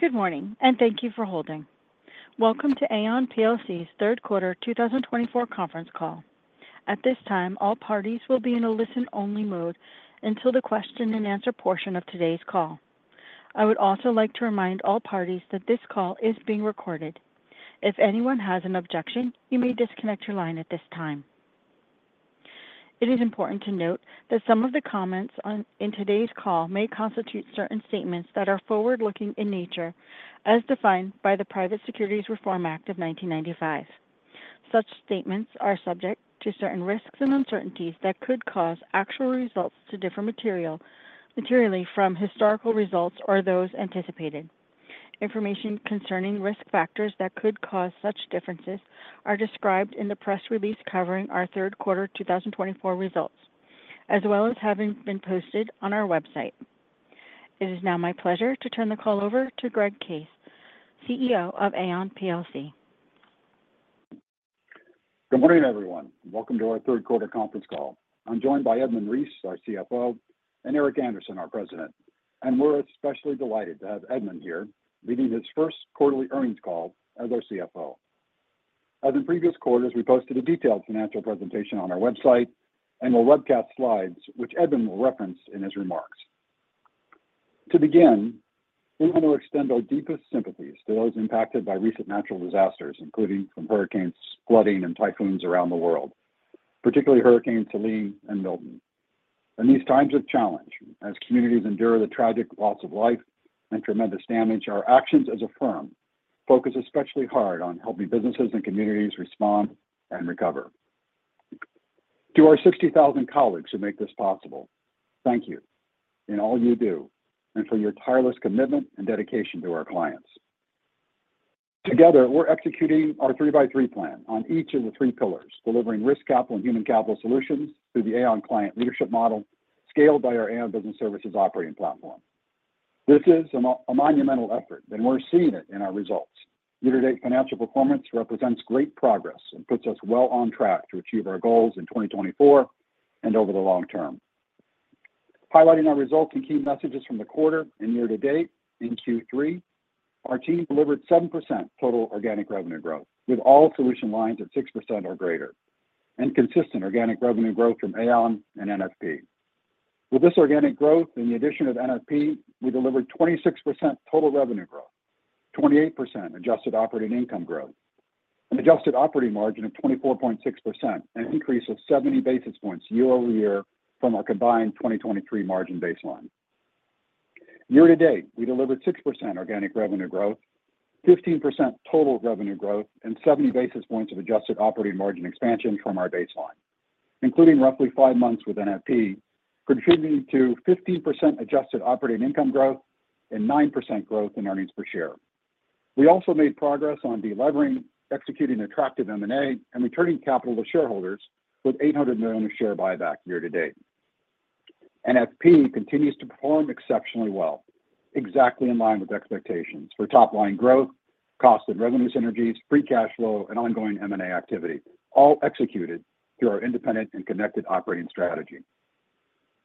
Good morning, and thank you for holding. Welcome to Aon PLC's third quarter twenty twenty-four conference call. At this time, all parties will be in a listen-only mode until the question and answer portion of today's call. I would also like to remind all parties that this call is being recorded. If anyone has an objection, you may disconnect your line at this time. It is important to note that some of the comments made in today's call may constitute certain statements that are forward-looking in nature, as defined by the Private Securities Litigation Reform Act of 1995. Such statements are subject to certain risks and uncertainties that could cause actual results to differ materially from historical results or those anticipated. Information concerning risk factors that could cause such differences are described in the press release covering our third quarter 2024 results, as well as having been posted on our website. It is now my pleasure to turn the call over to Greg Case, CEO of Aon PLC. Good morning, everyone. Welcome to our third quarter conference call. I'm joined by Edmund Reese, our CFO, and Eric Anderson, our president, and we're especially delighted to have Edmund here, leading his first quarterly earnings call as our CFO. As in previous quarters, we posted a detailed financial presentation on our website and the webcast slides, which Edmund will reference in his remarks. To begin, we want to extend our deepest sympathies to those impacted by recent natural disasters, including from hurricanes, flooding, and typhoons around the world, particularly Hurricane Helene and Milton. In these times of challenge, as communities endure the tragic loss of life and tremendous damage, our actions as a firm focus especially hard on helping businesses and communities respond and recover. To our 60,000 colleagues who make this possible, thank you in all you do, and for your tireless commitment and dedication to our clients. Together, we're executing our three-by-three plan on each of the three pillars, delivering risk capital and human capital solutions through the Aon Client Leadership Model, scaled by our Aon Business Services operating platform. This is a monumental effort, and we're seeing it in our results. Year-to-date financial performance represents great progress and puts us well on track to achieve our goals in 2024 and over the long term. Highlighting our results and key messages from the quarter and year to date, in Q3, our team delivered 7% total organic revenue growth, with all solution lines at 6% or greater, and consistent organic revenue growth from Aon and NFP. With this organic growth and the addition of NFP, we delivered 26% total revenue growth, 28% adjusted operating income growth, an adjusted operating margin of 24.6%, an increase of seventy basis points year over year from our combined 2023 margin baseline. Year to date, we delivered 6% organic revenue growth, 15% total revenue growth, and seventy basis points of adjusted operating margin expansion from our baseline, including roughly five months with NFP, contributing to 15% adjusted operating income growth and 9% growth in earnings per share. We also made progress on delevering, executing attractive M&A, and returning capital to shareholders with 800 million share buyback year to date. NFP continues to perform exceptionally well, exactly in line with expectations for top line growth, cost and revenue synergies, free cash flow, and ongoing M&A activity, all executed through our independent and connected operating strategy.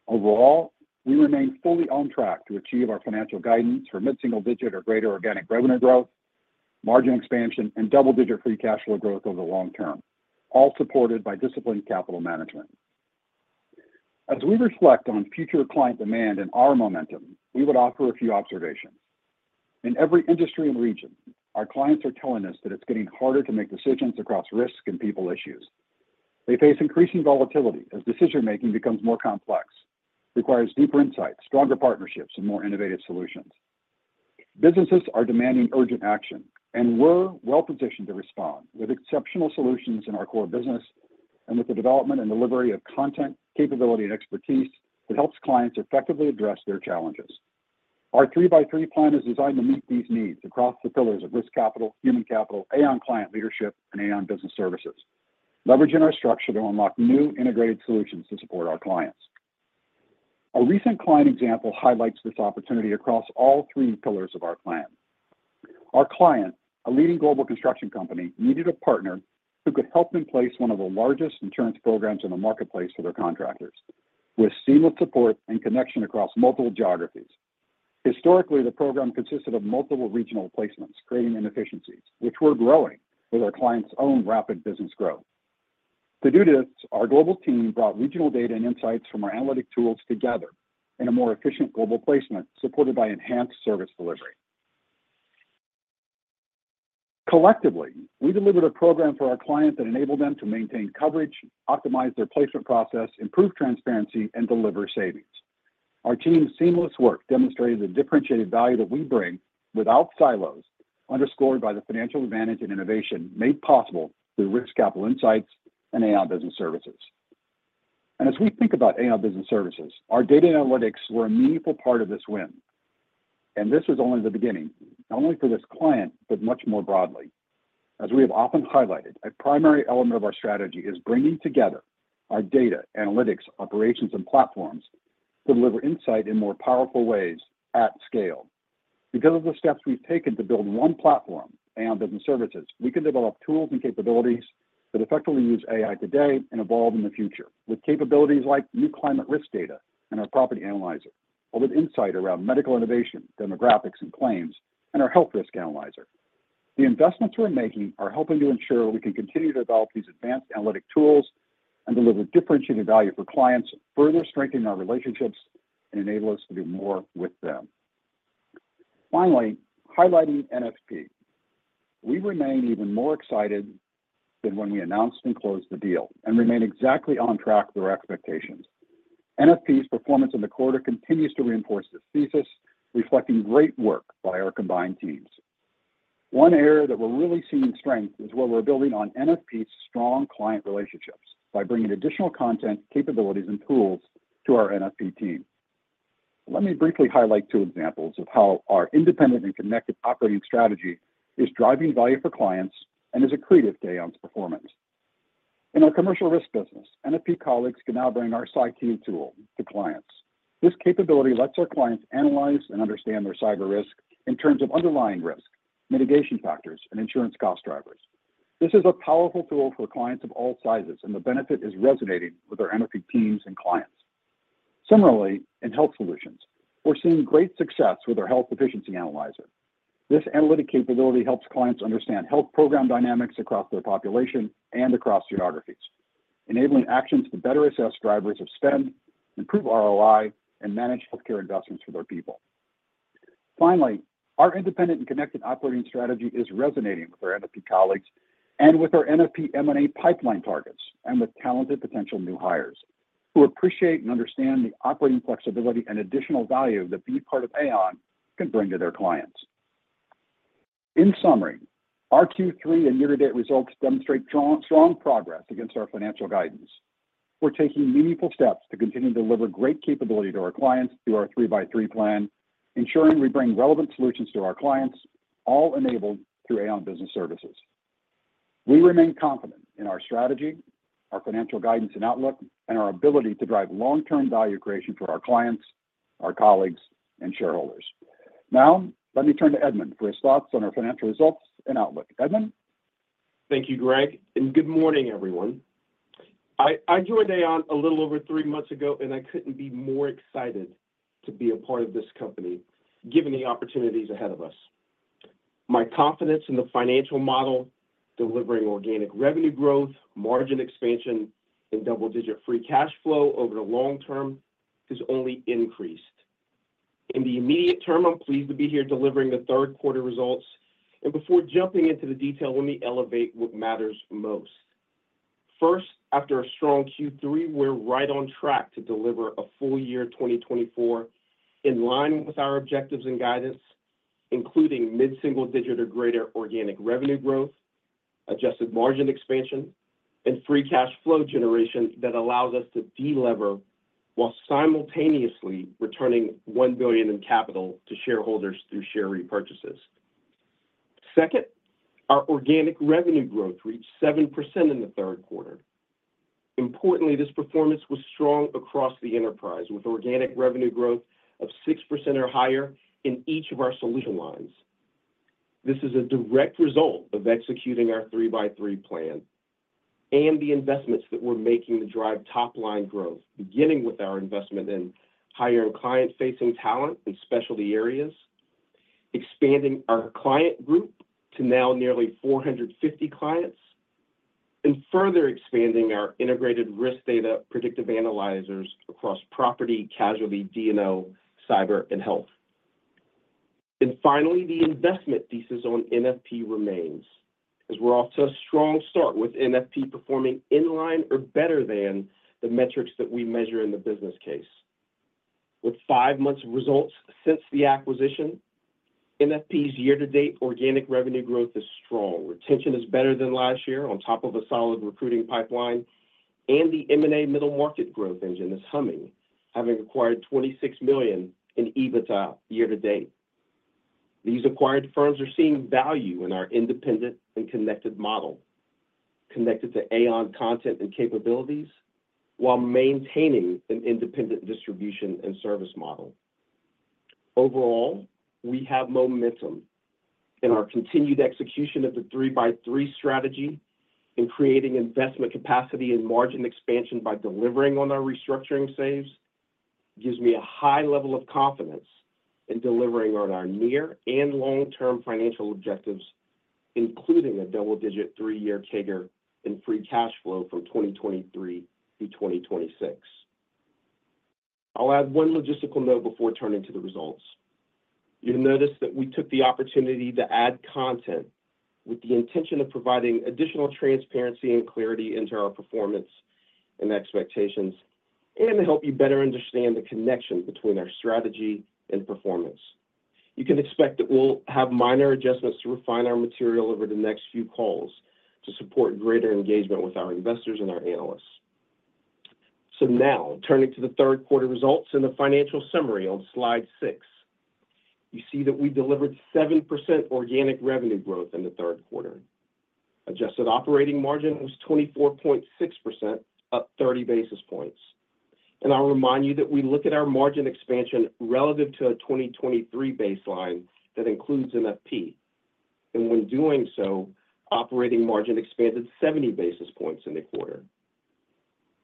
Overall, we remain fully on track to achieve our financial guidance for mid-single digit or greater organic revenue growth, margin expansion, and double-digit free cash flow growth over the long term, all supported by disciplined capital management. As we reflect on future client demand and our momentum, we would offer a few observations. In every industry and region, our clients are telling us that it's getting harder to make decisions across risk and people issues. They face increasing volatility as decision-making becomes more complex, requires deeper insights, stronger partnerships, and more innovative solutions. Businesses are demanding urgent action, and we're well positioned to respond with exceptional solutions in our core business and with the development and delivery of content, capability, and expertise that helps clients effectively address their challenges. Our three-by-three plan is designed to meet these needs across the pillars of risk capital, human capital, Aon client leadership, and Aon business services, leveraging our structure to unlock new integrated solutions to support our clients. A recent client example highlights this opportunity across all three pillars of our plan. Our client, a leading global construction company, needed a partner who could help them place one of the largest insurance programs in the marketplace for their contractors, with seamless support and connection across multiple geographies. Historically, the program consisted of multiple regional placements, creating inefficiencies, which were growing with our client's own rapid business growth. To do this, our global team brought regional data and insights from our analytic tools together in a more efficient global placement, supported by enhanced service delivery. Collectively, we delivered a program for our clients that enabled them to maintain coverage, optimize their placement process, improve transparency, and deliver savings. Our team's seamless work demonstrated the differentiated value that we bring without silos, underscored by the financial advantage and innovation made possible through Risk Capital insights and Aon Business Services. And as we think about Aon Business Services, our data analytics were a meaningful part of this win, and this is only the beginning, not only for this client, but much more broadly. As we have often highlighted, a primary element of our strategy is bringing together our data, analytics, operations, and platforms to deliver insight in more powerful ways at scale. Because of the steps we've taken to build one platform, Aon Business Services, we can develop tools and capabilities that effectively use AI today and evolve in the future with capabilities like new climate risk data and our Property Analyzer, all with insight around medical innovation, demographics, and claims, and our Health Risk Analyzer. The investments we're making are helping to ensure we can continue to develop these advanced analytic tools and deliver differentiated value for clients, further strengthening our relationships and enable us to do more with them. Finally, highlighting NFP. We remain even more excited than when we announced and closed the deal, and remain exactly on track with our expectations. NFP's performance in the quarter continues to reinforce this thesis, reflecting great work by our combined teams. One area that we're really seeing strength is where we're building on NFP's strong client relationships by bringing additional content, capabilities, and tools to our NFP team. Let me briefly highlight two examples of how our independent and connected operating strategy is driving value for clients and is accretive to Aon's performance. In our commercial risk business, NFP colleagues can now bring our CyQu tool to clients. This capability lets our clients analyze and understand their cyber risk in terms of underlying risk, mitigation factors, and insurance cost drivers. This is a powerful tool for clients of all sizes, and the benefit is resonating with our NFP teams and clients. Similarly, in Health Solutions, we're seeing great success with our Health Efficiency Analyzer. This analytic capability helps clients understand health program dynamics across their population and across geographies, enabling actions to better assess drivers of spend, improve ROI, and manage healthcare investments for their people. Finally, our independent and connected operating strategy is resonating with our NFP colleagues and with our NFP M&A pipeline targets, and with talented potential new hires who appreciate and understand the operating flexibility and additional value that being part of Aon can bring to their clients. In summary, our Q3 and year-to-date results demonstrate strong, strong progress against our financial guidance. We're taking meaningful steps to continue to deliver great capability to our clients through our three-by-three plan, ensuring we bring relevant solutions to our clients, all enabled through Aon Business Services. We remain confident in our strategy, our financial guidance and outlook, and our ability to drive long-term value creation for our clients, our colleagues, and shareholders. Now, let me turn to Edmund for his thoughts on our financial results and outlook. Edmund? Thank you, Greg, and good morning, everyone. I joined Aon a little over three months ago, and I couldn't be more excited to be a part of this company, given the opportunities ahead of us. My confidence in the financial model, delivering organic revenue growth, margin expansion, and double-digit free cash flow over the long term, has only increased. In the immediate term, I'm pleased to be here delivering the third quarter results. And before jumping into the detail, let me elevate what matters most. First, after a strong Q3, we're right on track to deliver a full year twenty twenty-four in line with our objectives and guidance, including mid-single digit or greater organic revenue growth, adjusted margin expansion, and free cash flow generation that allows us to delever while simultaneously returning $1 billion in capital to shareholders through share repurchases. Second, our organic revenue growth reached 7% in the third quarter. Importantly, this performance was strong across the enterprise, with organic revenue growth of 6% or higher in each of our solution lines. This is a direct result of executing our 3x3 Plan and the investments that we're making to drive top-line growth, beginning with our investment in hiring client-facing talent in specialty areas, expanding our client group to now nearly 450 clients, and further expanding our integrated risk data predictive analyzers across property, casualty, D&O, cyber, and health. And finally, the investment thesis on NFP remains, as we're off to a strong start with NFP performing in line or better than the metrics that we measure in the business case. With 5 months of results since the acquisition, NFP's year-to-date organic revenue growth is strong. Retention is better than last year, on top of a solid recruiting pipeline, and the M&A middle market growth engine is humming, having acquired 26 million in EBITDA year to date. These acquired firms are seeing value in our independent and connected model, connected to Aon content and capabilities, while maintaining an independent distribution and service model. Overall, we have momentum in our continued execution of the three-by-three strategy in creating investment capacity and margin expansion by delivering on our restructuring saves, gives me a high level of confidence in delivering on our near and long-term financial objectives, including a double-digit three-year CAGR in free cash flow from 2023 through 2026. I'll add one logistical note before turning to the results. You'll notice that we took the opportunity to add content with the intention of providing additional transparency and clarity into our performance and expectations, and to help you better understand the connection between our strategy and performance. You can expect that we'll have minor adjustments to refine our material over the next few calls to support greater engagement with our investors and our analysts. So now, turning to the third quarter results and the financial summary on slide 6. You see that we delivered 7% organic revenue growth in the third quarter. Adjusted operating margin was 24.6%, up 30 basis points... and I'll remind you that we look at our margin expansion relative to a 2023 baseline that includes NFP. When doing so, operating margin expanded 70 basis points in the quarter.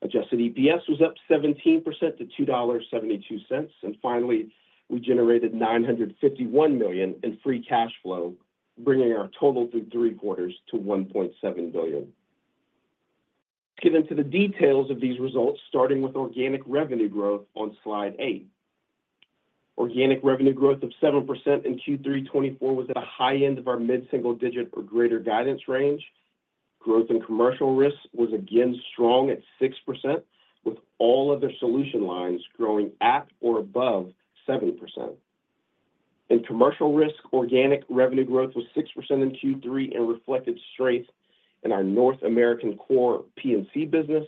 Adjusted EPS was up 17% to $2.72, and finally, we generated $951 million in free cash flow, bringing our total through three quarters to $1.7 billion. Get into the details of these results, starting with organic revenue growth on Slide 8. Organic revenue growth of 7% in Q3 2024 was at the high end of our mid-single-digit or greater guidance range. Growth in commercial risk was again strong at 6%, with all other solution lines growing at or above 7%. In commercial risk, organic revenue growth was 6% in Q3 and reflected strength in our North American core P&C business,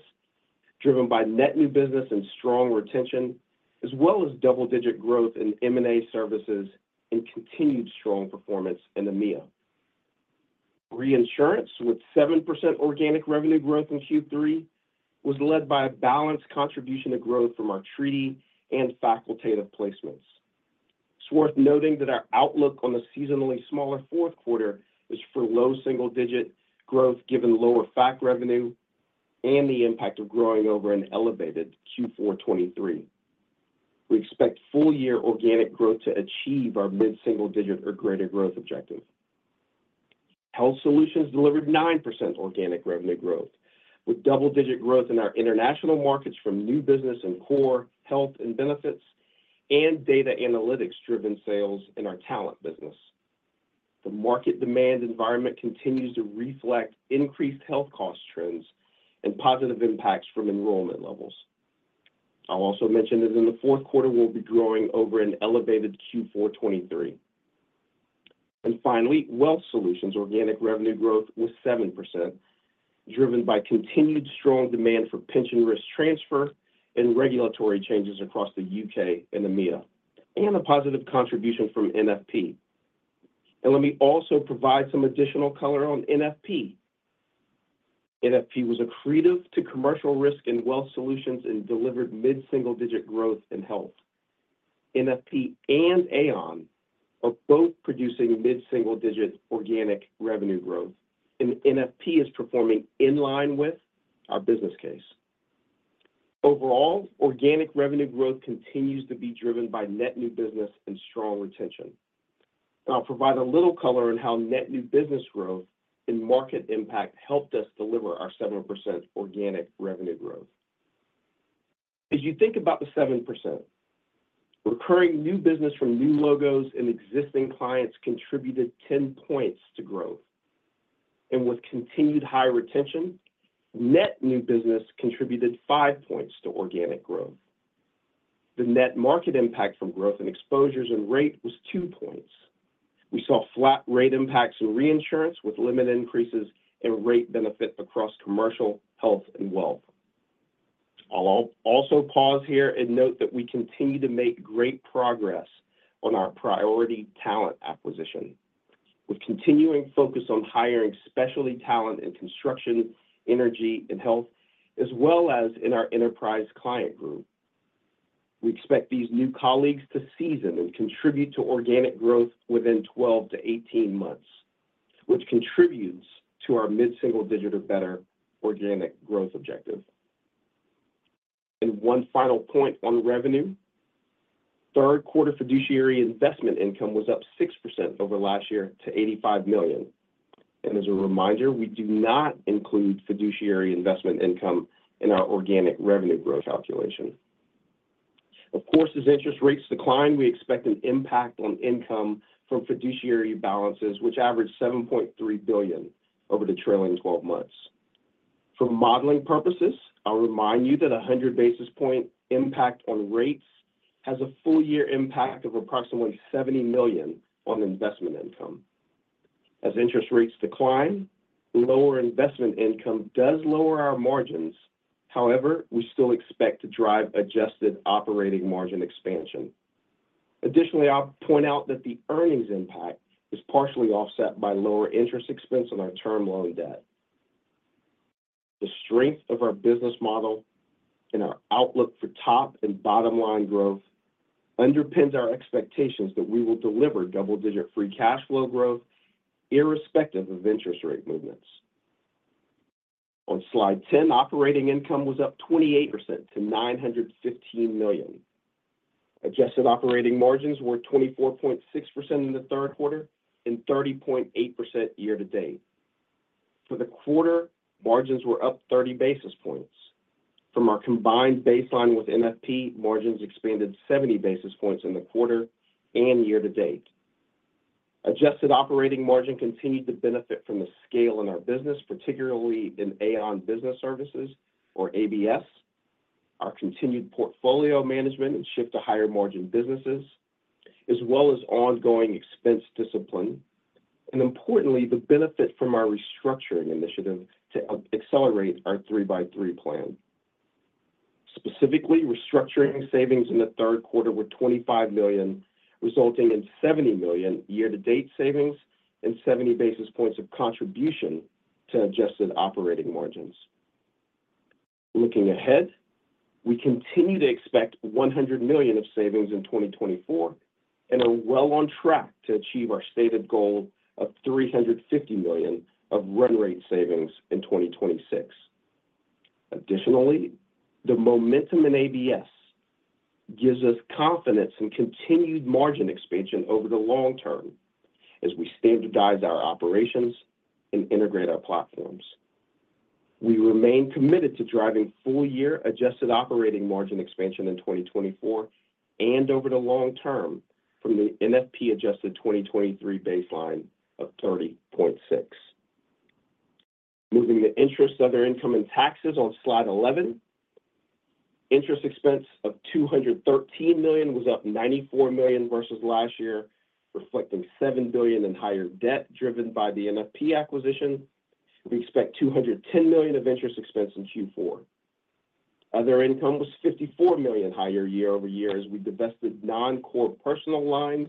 driven by net new business and strong retention, as well as double-digit growth in M&A services and continued strong performance in EMEA. Reinsurance, with 7% organic revenue growth in Q3, was led by a balanced contribution to growth from our treaty and facultative placements. It's worth noting that our outlook on the seasonally smaller fourth quarter is for low single-digit growth, given lower FAC revenue and the impact of growing over an elevated Q4 2023. We expect full-year organic growth to achieve our mid-single digit or greater growth objective. Health Solutions delivered 9% organic revenue growth, with double-digit growth in our international markets from new business in core health and benefits, and data analytics-driven sales in our talent business. The market demand environment continues to reflect increased health cost trends and positive impacts from enrollment levels. I'll also mention that in the fourth quarter, we'll be growing over an elevated Q4 2023. Finally, Wealth Solutions organic revenue growth was 7%, driven by continued strong demand for pension risk transfer and regulatory changes across the U.K. and EMEA, and a positive contribution from NFP. Let me also provide some additional color on NFP. NFP was accretive to commercial risk and wealth solutions and delivered mid-single-digit growth in health. NFP and Aon are both producing mid-single-digit organic revenue growth, and NFP is performing in line with our business case. Overall, organic revenue growth continues to be driven by net new business and strong retention. I'll provide a little color on how net new business growth and market impact helped us deliver our 7% organic revenue growth. As you think about the 7%, recurring new business from new logos and existing clients contributed 10 points to growth. With continued high retention, net new business contributed five points to organic growth. The net market impact from growth and exposures and rate was two points. We saw flat rate impacts in reinsurance, with limited increases and rate benefit across commercial, health, and wealth. I'll also pause here and note that we continue to make great progress on our priority talent acquisition, with continuing focus on hiring specialty talent in construction, energy, and health, as well as in our Enterprise Client Group. We expect these new colleagues to season and contribute to organic growth within 12 to 18 months, which contributes to our mid-single digit or better organic growth objective. One final point on revenue. Third quarter Fiduciary Investment Income was up 6% over last year to $85 million. As a reminder, we do not include Fiduciary Investment Income in our Organic Revenue Growth calculation. Of course, as interest rates decline, we expect an impact on income from fiduciary balances, which averaged $7.3 billion over the trailing twelve months. For modeling purposes, I'll remind you that a 100 basis point impact on rates has a full year impact of approximately $70 million on investment income. As interest rates decline, lower investment income does lower our margins. However, we still expect to drive adjusted operating margin expansion. Additionally, I'll point out that the earnings impact is partially offset by lower interest expense on our term loan debt. The strength of our business model and our outlook for top and bottom line growth underpins our expectations that we will deliver double-digit free cash flow growth irrespective of interest rate movements. On Slide 10, operating income was up 28% to $915 million. Adjusted operating margins were 24.6% in the third quarter and 30.8% year to date. For the quarter, margins were up 30 basis points. From our combined baseline with NFP, margins expanded 70 basis points in the quarter and year to date. Adjusted operating margin continued to benefit from the scale in our business, particularly in Aon Business Services, or ABS. Our continued portfolio management and shift to higher margin businesses, as well as ongoing expense discipline, and importantly, the benefit from our restructuring initiative to accelerate our three by three plan. Specifically, restructuring savings in the third quarter were 25 million, resulting in 70 million year-to-date savings and 70 basis points of contribution to adjusted operating margins. Looking ahead, we continue to expect $100 million of savings in 2024, and are well on track to achieve our stated goal of $350 million of run rate savings in 2026. Additionally, the momentum in ABS gives us confidence in continued margin expansion over the long term as we standardize our operations and integrate our platforms. We remain committed to driving full-year adjusted operating margin expansion in 2024 and over the long term from the NFP adjusted 2023 baseline of 30.6%. Moving to interest, other income and taxes on slide eleven. Interest expense of $213 million was up $94 million versus last year, reflecting $7 billion in higher debt driven by the NFP acquisition. We expect $210 million of interest expense in Q4. Other income was $54 million higher year over year as we divested non-core personal lines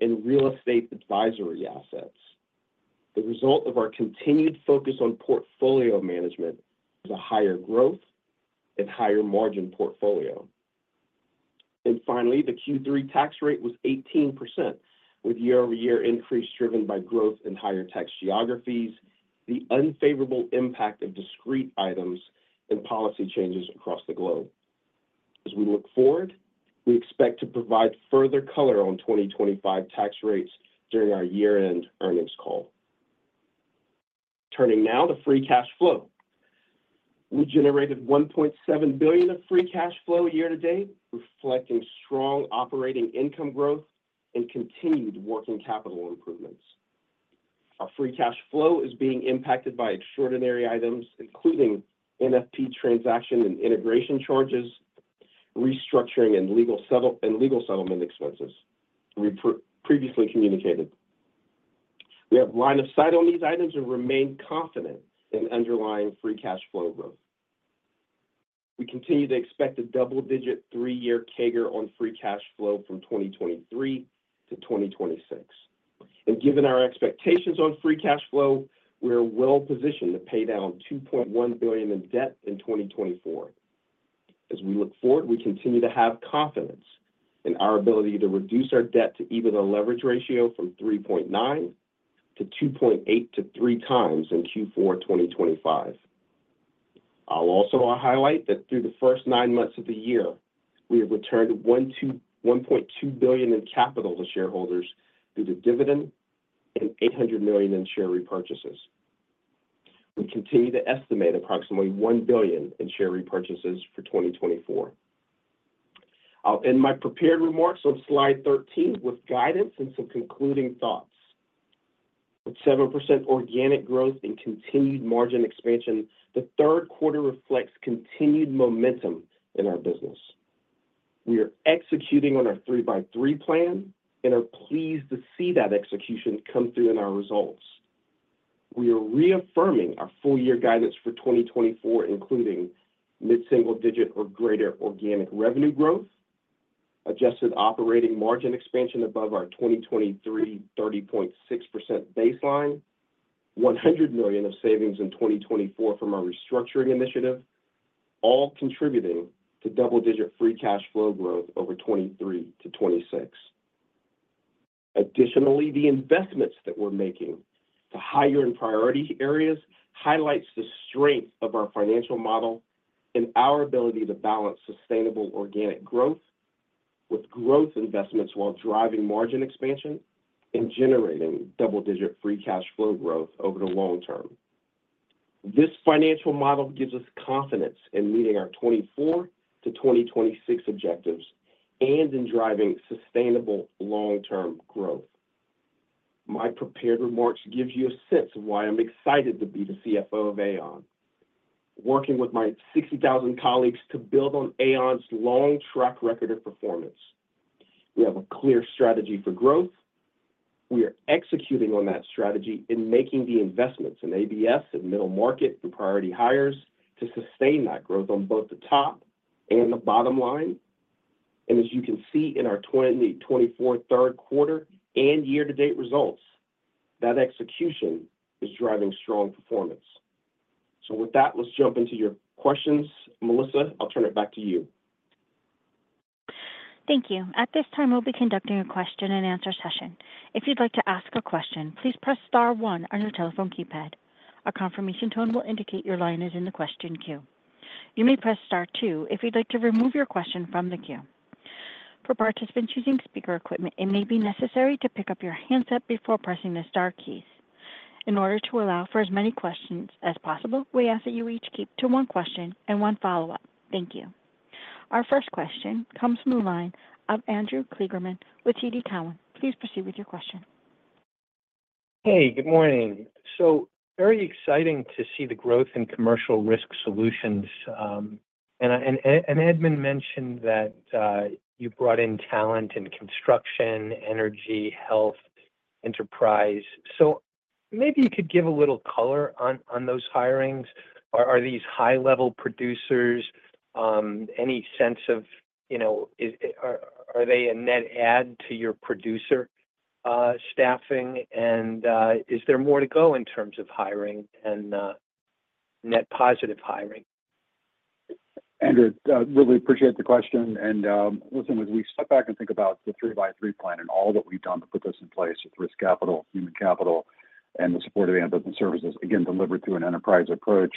and real estate advisory assets. The result of our continued focus on portfolio management is a higher growth and higher margin portfolio, and finally, the Q3 tax rate was 18%, with year-over-year increase driven by growth in higher tax geographies, the unfavorable impact of discrete items, and policy changes across the globe. As we look forward, we expect to provide further color on 2025 tax rates during our year-end earnings call. Turning now to free cash flow. We generated $1.7 billion of free cash flow year to date, reflecting strong operating income growth and continued working capital improvements. Our free cash flow is being impacted by extraordinary items, including NFP transaction and integration charges, restructuring and legal settlement expenses we previously communicated. We have line of sight on these items and remain confident in underlying free cash flow growth. We continue to expect a double-digit three-year CAGR on free cash flow from 2023 to 2026. And given our expectations on free cash flow, we are well positioned to pay down $2.1 billion in debt in 2024. As we look forward, we continue to have confidence in our ability to reduce our debt to EBITDA leverage ratio from 3.9 to 2.8 to 3 times in Q4 2025. I'll also highlight that through the first nine months of the year, we have returned $1.2 billion in capital to shareholders through the dividend and $800 million in share repurchases. We continue to estimate approximately $1 billion in share repurchases for 2024. I'll end my prepared remarks on slide 13 with guidance and some concluding thoughts. With 7% organic growth and continued margin expansion, the third quarter reflects continued momentum in our business. We are executing on our three-by-three plan and are pleased to see that execution come through in our results. We are reaffirming our full year guidance for 2024, including mid-single-digit or greater organic revenue growth, adjusted operating margin expansion above our 2023 30.6% baseline, $100 million of savings in 2024 from our restructuring initiative, all contributing to double-digit free cash flow growth over 2023 to 2026. Additionally, the investments that we're making to hire in priority areas highlights the strength of our financial model and our ability to balance sustainable organic growth with growth investments while driving margin expansion and generating double-digit free cash flow growth over the long term. This financial model gives us confidence in meeting our 2024-2026 objectives and in driving sustainable long-term growth. My prepared remarks give you a sense of why I'm excited to be the CFO of Aon, working with my 60,000 colleagues to build on Aon's long track record of performance. We have a clear strategy for growth. We are executing on that strategy and making the investments in ABS and middle market through priority hires to sustain that growth on both the top and the bottom line, and as you can see in our 2024 third quarter and year-to-date results, that execution is driving strong performance, so with that, let's jump into your questions. Melissa, I'll turn it back to you. Thank you. At this time, we'll be conducting a question-and-answer session. If you'd like to ask a question, please press star one on your telephone keypad. A confirmation tone will indicate your line is in the question queue. You may press star two if you'd like to remove your question from the queue. For participants using speaker equipment, it may be necessary to pick up your handset before pressing the star keys. In order to allow for as many questions as possible, we ask that you each keep to one question and one follow-up. Thank you. Our first question comes from the line of Andrew Kligerman with TD Cowen. Please proceed with your question. Hey, good morning. So very exciting to see the growth in commercial risk solutions. And Edmund mentioned that you brought in talent in construction, energy, health, enterprise. So maybe you could give a little color on those hirings. Are these high-level producers? Any sense of, you know, are they a net add to your producer staffing? And is there more to go in terms of hiring and net positive hiring? Andrew, really appreciate the question. And, listen, as we step back and think about the three-by-three plan and all that we've done to put this in place with risk capital, human capital, and the support of Aon Business Services, again, delivered through an enterprise approach,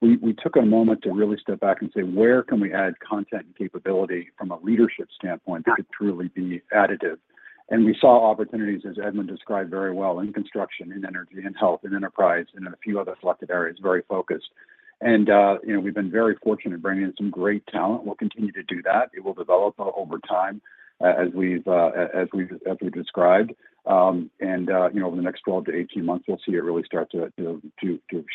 we took a moment to really step back and say: Where can we add content and capability from a leadership standpoint that could truly be additive? And we saw opportunities, as Edmund described very well, in construction, in energy, in health, in enterprise, and in a few other selected areas, very focused. And, you know, we've been very fortunate bringing in some great talent. We'll continue to do that. It will develop over time, as we've described. You know, over the next 12 to 18 months, we'll see it really start to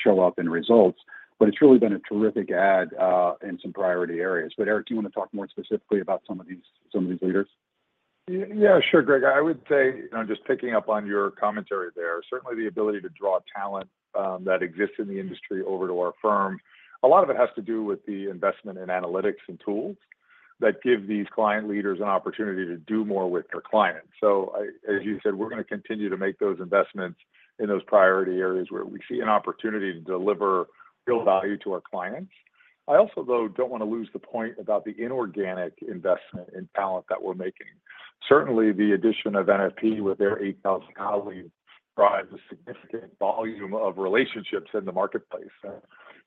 show up in results. But it's really been a terrific add in some priority areas. But Eric, do you want to talk more specifically about some of these leaders? Yeah, sure, Greg. I would say, you know, just picking up on your commentary there, certainly the ability to draw talent that exists in the industry over to our firm, a lot of it has to do with the investment in analytics and tools that give these client leaders an opportunity to do more with their clients. So, as you said, we're gonna continue to make those investments in those priority areas where we see an opportunity to deliver real value to our clients. I also, though, don't want to lose the point about the inorganic investment in talent that we're making. Certainly, the addition of NFP with their eight thousand colleagues provides a significant volume of relationships in the marketplace.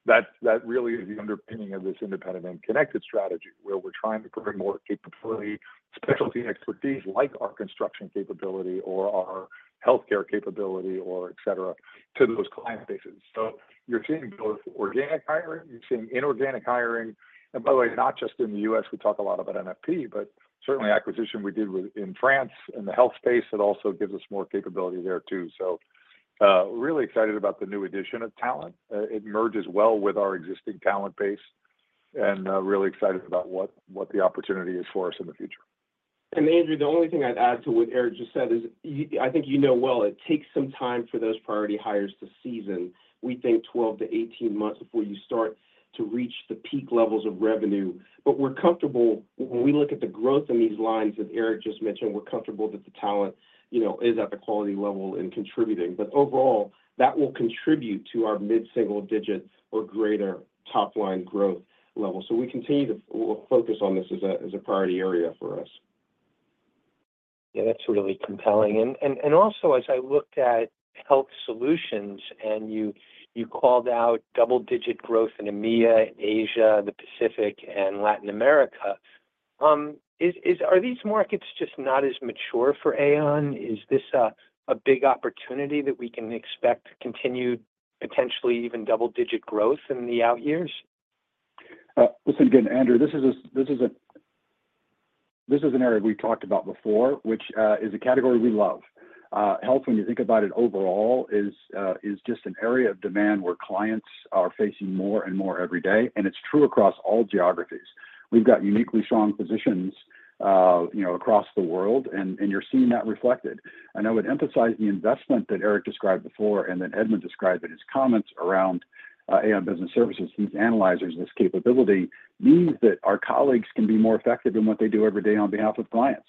That really is the underpinning of this Independent and Connected strategy, where we're trying to bring more capability, specialty expertise, like our construction capability or our healthcare capability or et cetera, to those client bases. So you're seeing both organic hiring, you're seeing inorganic hiring, and by the way, not just in the U.S. We talk a lot about NFP, but certainly acquisition we did in France, in the health space, it also gives us more capability there, too. So really excited about the new addition of talent. It merges well with our existing talent base, and really excited about what the opportunity is for us in the future. Andrew, the only thing I'd add to what Eric just said is, I think you know, well, it takes some time for those priority hires to season. We think 12 to 18 months before you start to reach the peak levels of revenue. But we're comfortable... When we look at the growth in these lines, as Eric just mentioned, we're comfortable that the talent, you know, is at the quality level and contributing. But overall, that will contribute to our mid-single-digit or greater top-line growth level. So we continue to focus on this as a priority area for us. Yeah, that's really compelling. And also, as I looked at health solutions, and you called out double-digit growth in EMEA, in Asia, the Pacific, and Latin America, are these markets just not as mature for Aon? Is this a big opportunity that we can expect continued, potentially even double-digit growth in the out years? Listen, again, Andrew, this is an area we've talked about before, which is a category we love. Health, when you think about it overall, is just an area of demand where clients are facing more and more every day, and it's true across all geographies. We've got uniquely strong positions, you know, across the world, and you're seeing that reflected, and I would emphasize the investment that Eric described before, and then Edmund described in his comments around Aon Business Services. These analyzers, this capability, means that our colleagues can be more effective in what they do every day on behalf of clients.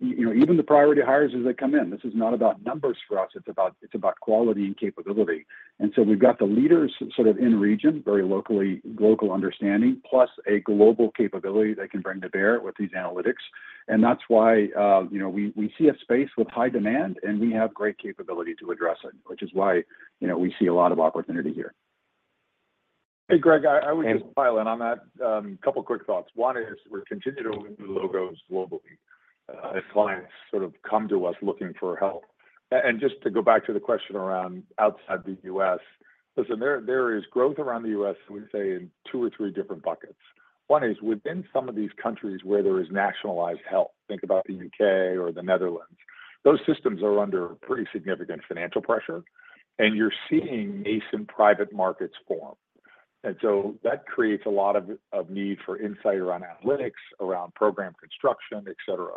You know, even the priority hires as they come in, this is not about numbers for us, it's about quality and capability. And so we've got the leaders sort of in region, very locally, local understanding, plus a global capability they can bring to bear with these analytics. And that's why, you know, we see a space with high demand, and we have great capability to address it, which is why, you know, we see a lot of opportunity here. Hey, Greg, I would just pile in on that. A couple quick thoughts. One is, we're continuing to win new logos globally, as clients sort of come to us looking for help. And just to go back to the question around outside the US, listen, there is growth outside the US, I would say, in two or three different buckets. One is within some of these countries where there is nationalized health, think about the UK or the Netherlands. Those systems are under pretty significant financial pressure, and you're seeing nascent private markets form. And so that creates a lot of need for insight around analytics, around program construction, et cetera.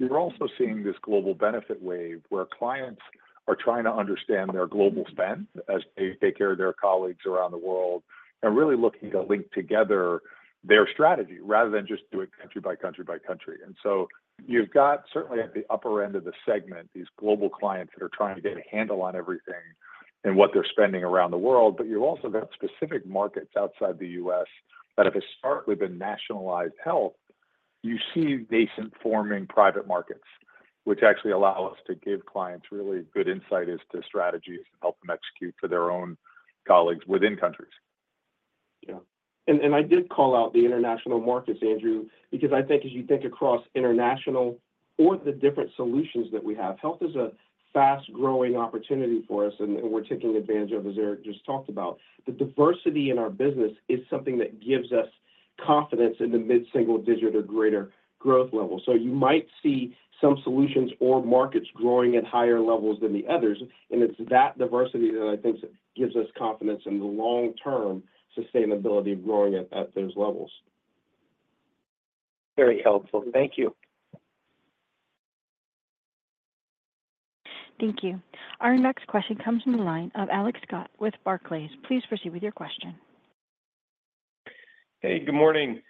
We're also seeing this global benefit wave, where clients are trying to understand their global spend as they take care of their colleagues around the world, and really looking to link together their strategy rather than just do it country by country by country, and so you've got, certainly at the upper end of the segment, these global clients that are trying to get a handle on everything and what they're spending around the world, but you've also got specific markets outside the U.S. that have historically been nationalized health. You see, nascent forming private markets, which actually allow us to give clients really good insight as to strategies to help them execute for their own colleagues within countries. Yeah, and I did call out the international markets, Andrew, because I think as you think across international or the different solutions that we have, health is a fast-growing opportunity for us, and we're taking advantage of, as Eric just talked about. The diversity in our business is something that gives us confidence in the mid-single digit or greater growth level. So you might see some solutions or markets growing at higher levels than the others, and it's that diversity that I think gives us confidence in the long-term sustainability of growing at those levels. Very helpful. Thank you. Thank you. Our next question comes from the line of Alex Scott with Barclays. Please proceed with your question. Hey, good morning.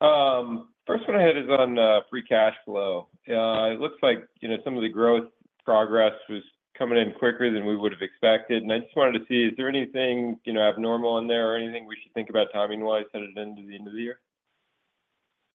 First one I had is on free cash flow. It looks like, you know, some of the growth progress was coming in quicker than we would have expected, and I just wanted to see, is there anything, you know, abnormal in there or anything we should think about timing-wise headed into the end of the year?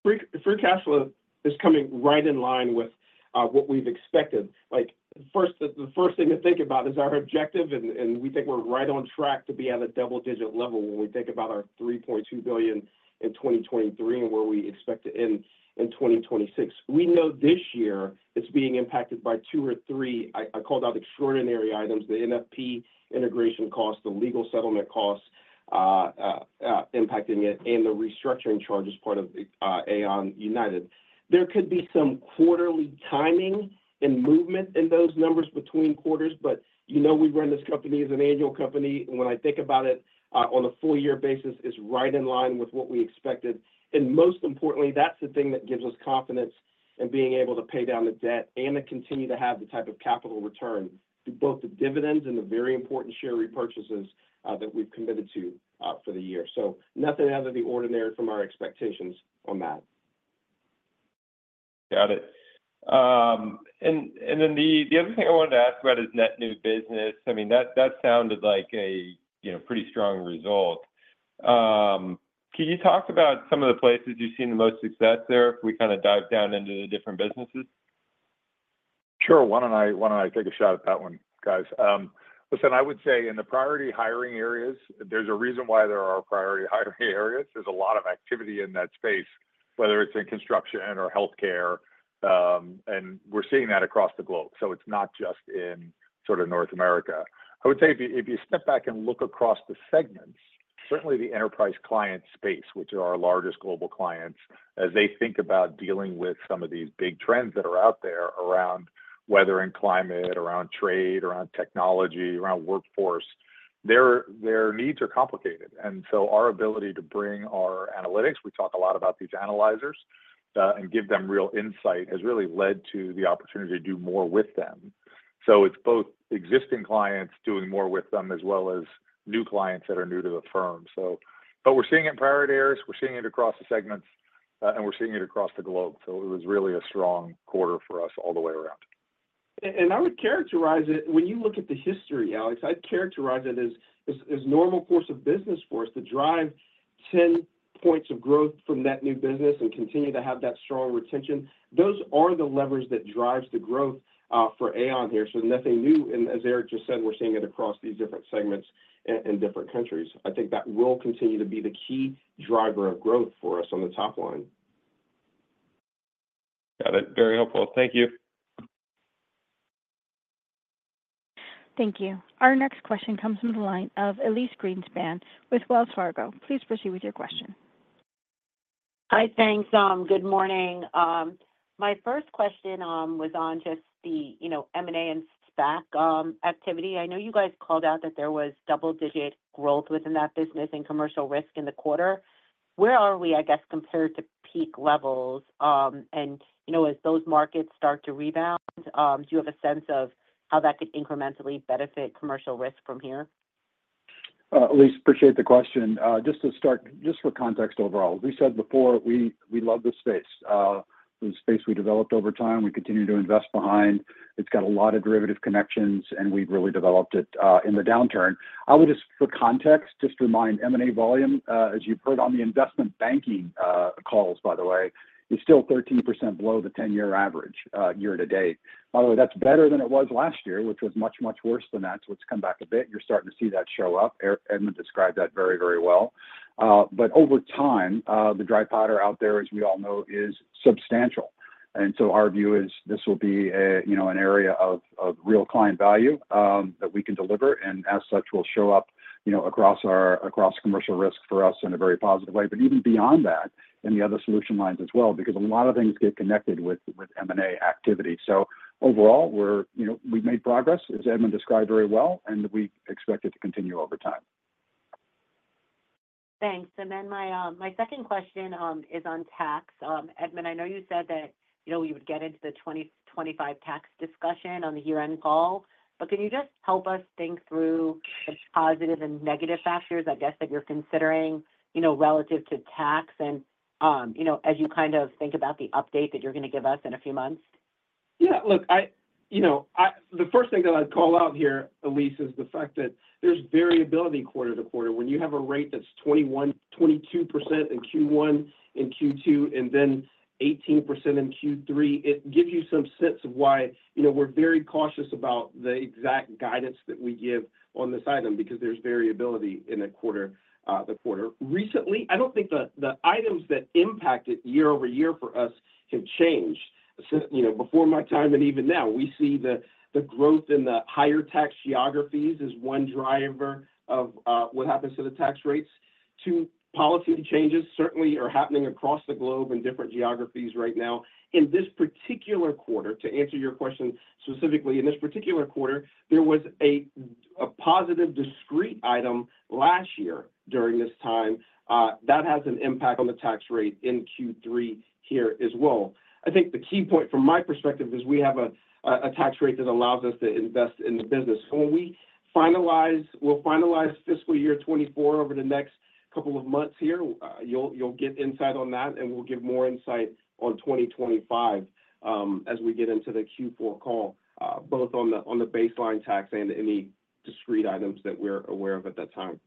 Free cash flow is coming right in line with what we've expected. Like, first, the first thing to think about is our objective, and we think we're right on track to be at a double-digit level when we think about our $3.2 billion in 2023 and where we expect to end in 2026. We know this year it's being impacted by two or three, I called out extraordinary items, the NFP integration costs, the legal settlement costs, impacting it, and the restructuring charges, part of Aon United. There could be some quarterly timing and movement in those numbers between quarters, but, you know, we run this company as an annual company, and when I think about it, on a full year basis, it's right in line with what we expected. Most importantly, that's the thing that gives us confidence in being able to pay down the debt and to continue to have the type of capital return to both the dividends and the very important share repurchases that we've committed to for the year. So nothing out of the ordinary from our expectations on that. Got it. And then the other thing I wanted to ask about is net new business. I mean, that sounded like a, you know, pretty strong result. Can you talk about some of the places you've seen the most success there if we kinda dive down into the different businesses? Sure. Why don't I take a shot at that one, guys? Listen, I would say in the priority hiring areas, there's a reason why there are priority hiring areas. There's a lot of activity in that space, whether it's in construction or healthcare, and we're seeing that across the globe, so it's not just in sort of North America. I would say if you step back and look across the segments, certainly the enterprise client space, which are our largest global clients, as they think about dealing with some of these big trends that are out there around weather and climate, around trade, around technology, around workforce, their needs are complicated. And so our ability to bring our analytics, we talk a lot about these analyzers, and give them real insight, has really led to the opportunity to do more with them. So it's both existing clients doing more with them, as well as new clients that are new to the firm. So but we're seeing it in priority areas, we're seeing it across the segments, and we're seeing it across the globe. So it was really a strong quarter for us all the way around. I would characterize it, when you look at the history, Alex, as normal course of business for us to drive 10 points of growth from net new business and continue to have that strong retention. Those are the levers that drives the growth for Aon here, so nothing new. As Eric just said, we're seeing it across these different segments in different countries. I think that will continue to be the key driver of growth for us on the top line. Got it. Very helpful. Thank you. Thank you. Our next question comes from the line of Elyse Greenspan with Wells Fargo. Please proceed with your question. Hi, thanks. Good morning. My first question was on just the, you know, M&A and SPAC activity. I know you guys called out that there was double-digit growth within that business and commercial risk in the quarter. Where are we, I guess, compared to peak levels? And, you know, as those markets start to rebound, do you have a sense of how that could incrementally benefit commercial risk from here? Elyse, appreciate the question. Just to start, just for context overall, we said before, we love this space. The space we developed over time, we continue to invest behind. It's got a lot of derivative connections, and we've really developed it in the downturn. I would just, for context, just remind M&A volume, as you've heard on the investment banking calls, by the way, is still 13% below the 10-year average, year to date. By the way, that's better than it was last year, which was much, much worse than that. So it's come back a bit. You're starting to see that show up. Edmund described that very, very well. But over time, the dry powder out there, as we all know, is substantial. And so our view is this will be a, you know, an area of real client value that we can deliver, and as such, will show up, you know, across commercial risk for us in a very positive way. But even beyond that, in the other solution lines as well, because a lot of things get connected with M&A activity. So overall, we've made progress, as Edmund described very well, and we expect it to continue over time. Thanks. And then my second question is on tax. Edmund, I know you said that, you know, you would get into the twenty twenty-five tax discussion on the year-end call, but can you just help us think through the positive and negative factors, I guess, that you're considering, you know, relative to tax and, you know, as you kind of think about the update that you're going to give us in a few months? Yeah. Look, you know, the first thing that I'd call out here, Elise, is the fact that there's variability quarter to quarter. When you have a rate that's 21%-22% in Q1 and Q2 and then 18% in Q3, it gives you some sense of why, you know, we're very cautious about the exact guidance that we give on this item, because there's variability in a quarter, the quarter. Recently, I don't think the items that impact it year over year for us have changed. Since, you know, before my time and even now, we see the growth in the higher tax geographies as one driver of what happens to the tax rates. Two, policy changes certainly are happening across the globe in different geographies right now. In this particular quarter, to answer your question specifically, in this particular quarter, there was a positive discrete item last year during this time that has an impact on the tax rate in Q3 here as well. I think the key point from my perspective is we have a tax rate that allows us to invest in the business. When we finalize, we'll finalize fiscal year 2024 over the next couple of months here, you'll get insight on that, and we'll give more insight on 2025, as we get into the Q4 call, both on the baseline tax and any discrete items that we're aware of at that time.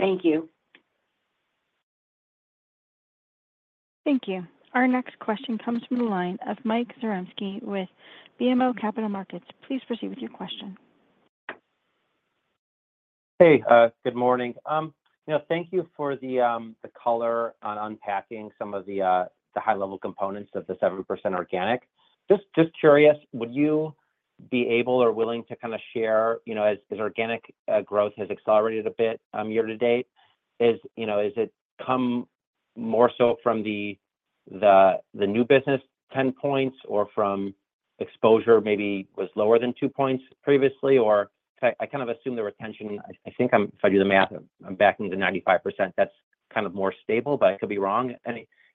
Thank you. Thank you. Our next question comes from the line of Mike Zaremski with BMO Capital Markets. Please proceed with your question. Hey, good morning. You know, thank you for the color on unpacking some of the high-level components of the 7% organic. Just curious, would you be able or willing to kind of share, you know, as organic growth has accelerated a bit year to date, is, you know, has it come more so from the new business 10 points or from exposure maybe was lower than 2 points previously? Or I kind of assume the retention-- I think I'm- if I do the math, I'm backing to 95%. That's kind of more stable, but I could be wrong.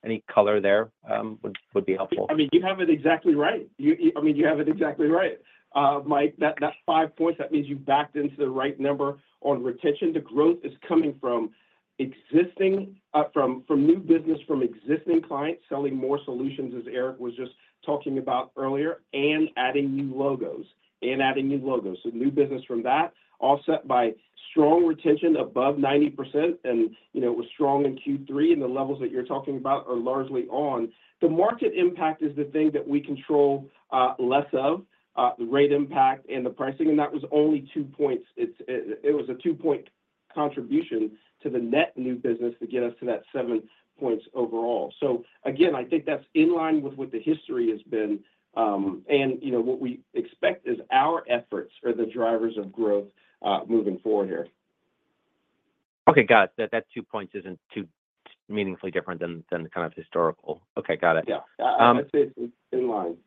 Any color there would be helpful. I mean, you have it exactly right. I mean, you have it exactly right. Mike, that five points, that means you backed into the right number on retention. The growth is coming from existing, from new business, from existing clients, selling more solutions, as Eric was just talking about earlier, and adding new logos, and adding new logos. So new business from that, offset by strong retention above 90%, and you know, it was strong in Q3, and the levels that you're talking about are largely on. The market impact is the thing that we control less of, the rate impact and the pricing, and that was only two points. It was a two-point contribution to the net new business to get us to that seven points overall. So again, I think that's in line with what the history has been, and, you know, what we expect is our efforts are the drivers of growth, moving forward here. Okay, got it. That two points isn't too meaningfully different than the kind of historical. Okay, got it. Yeah. Um- That's it. It's in line.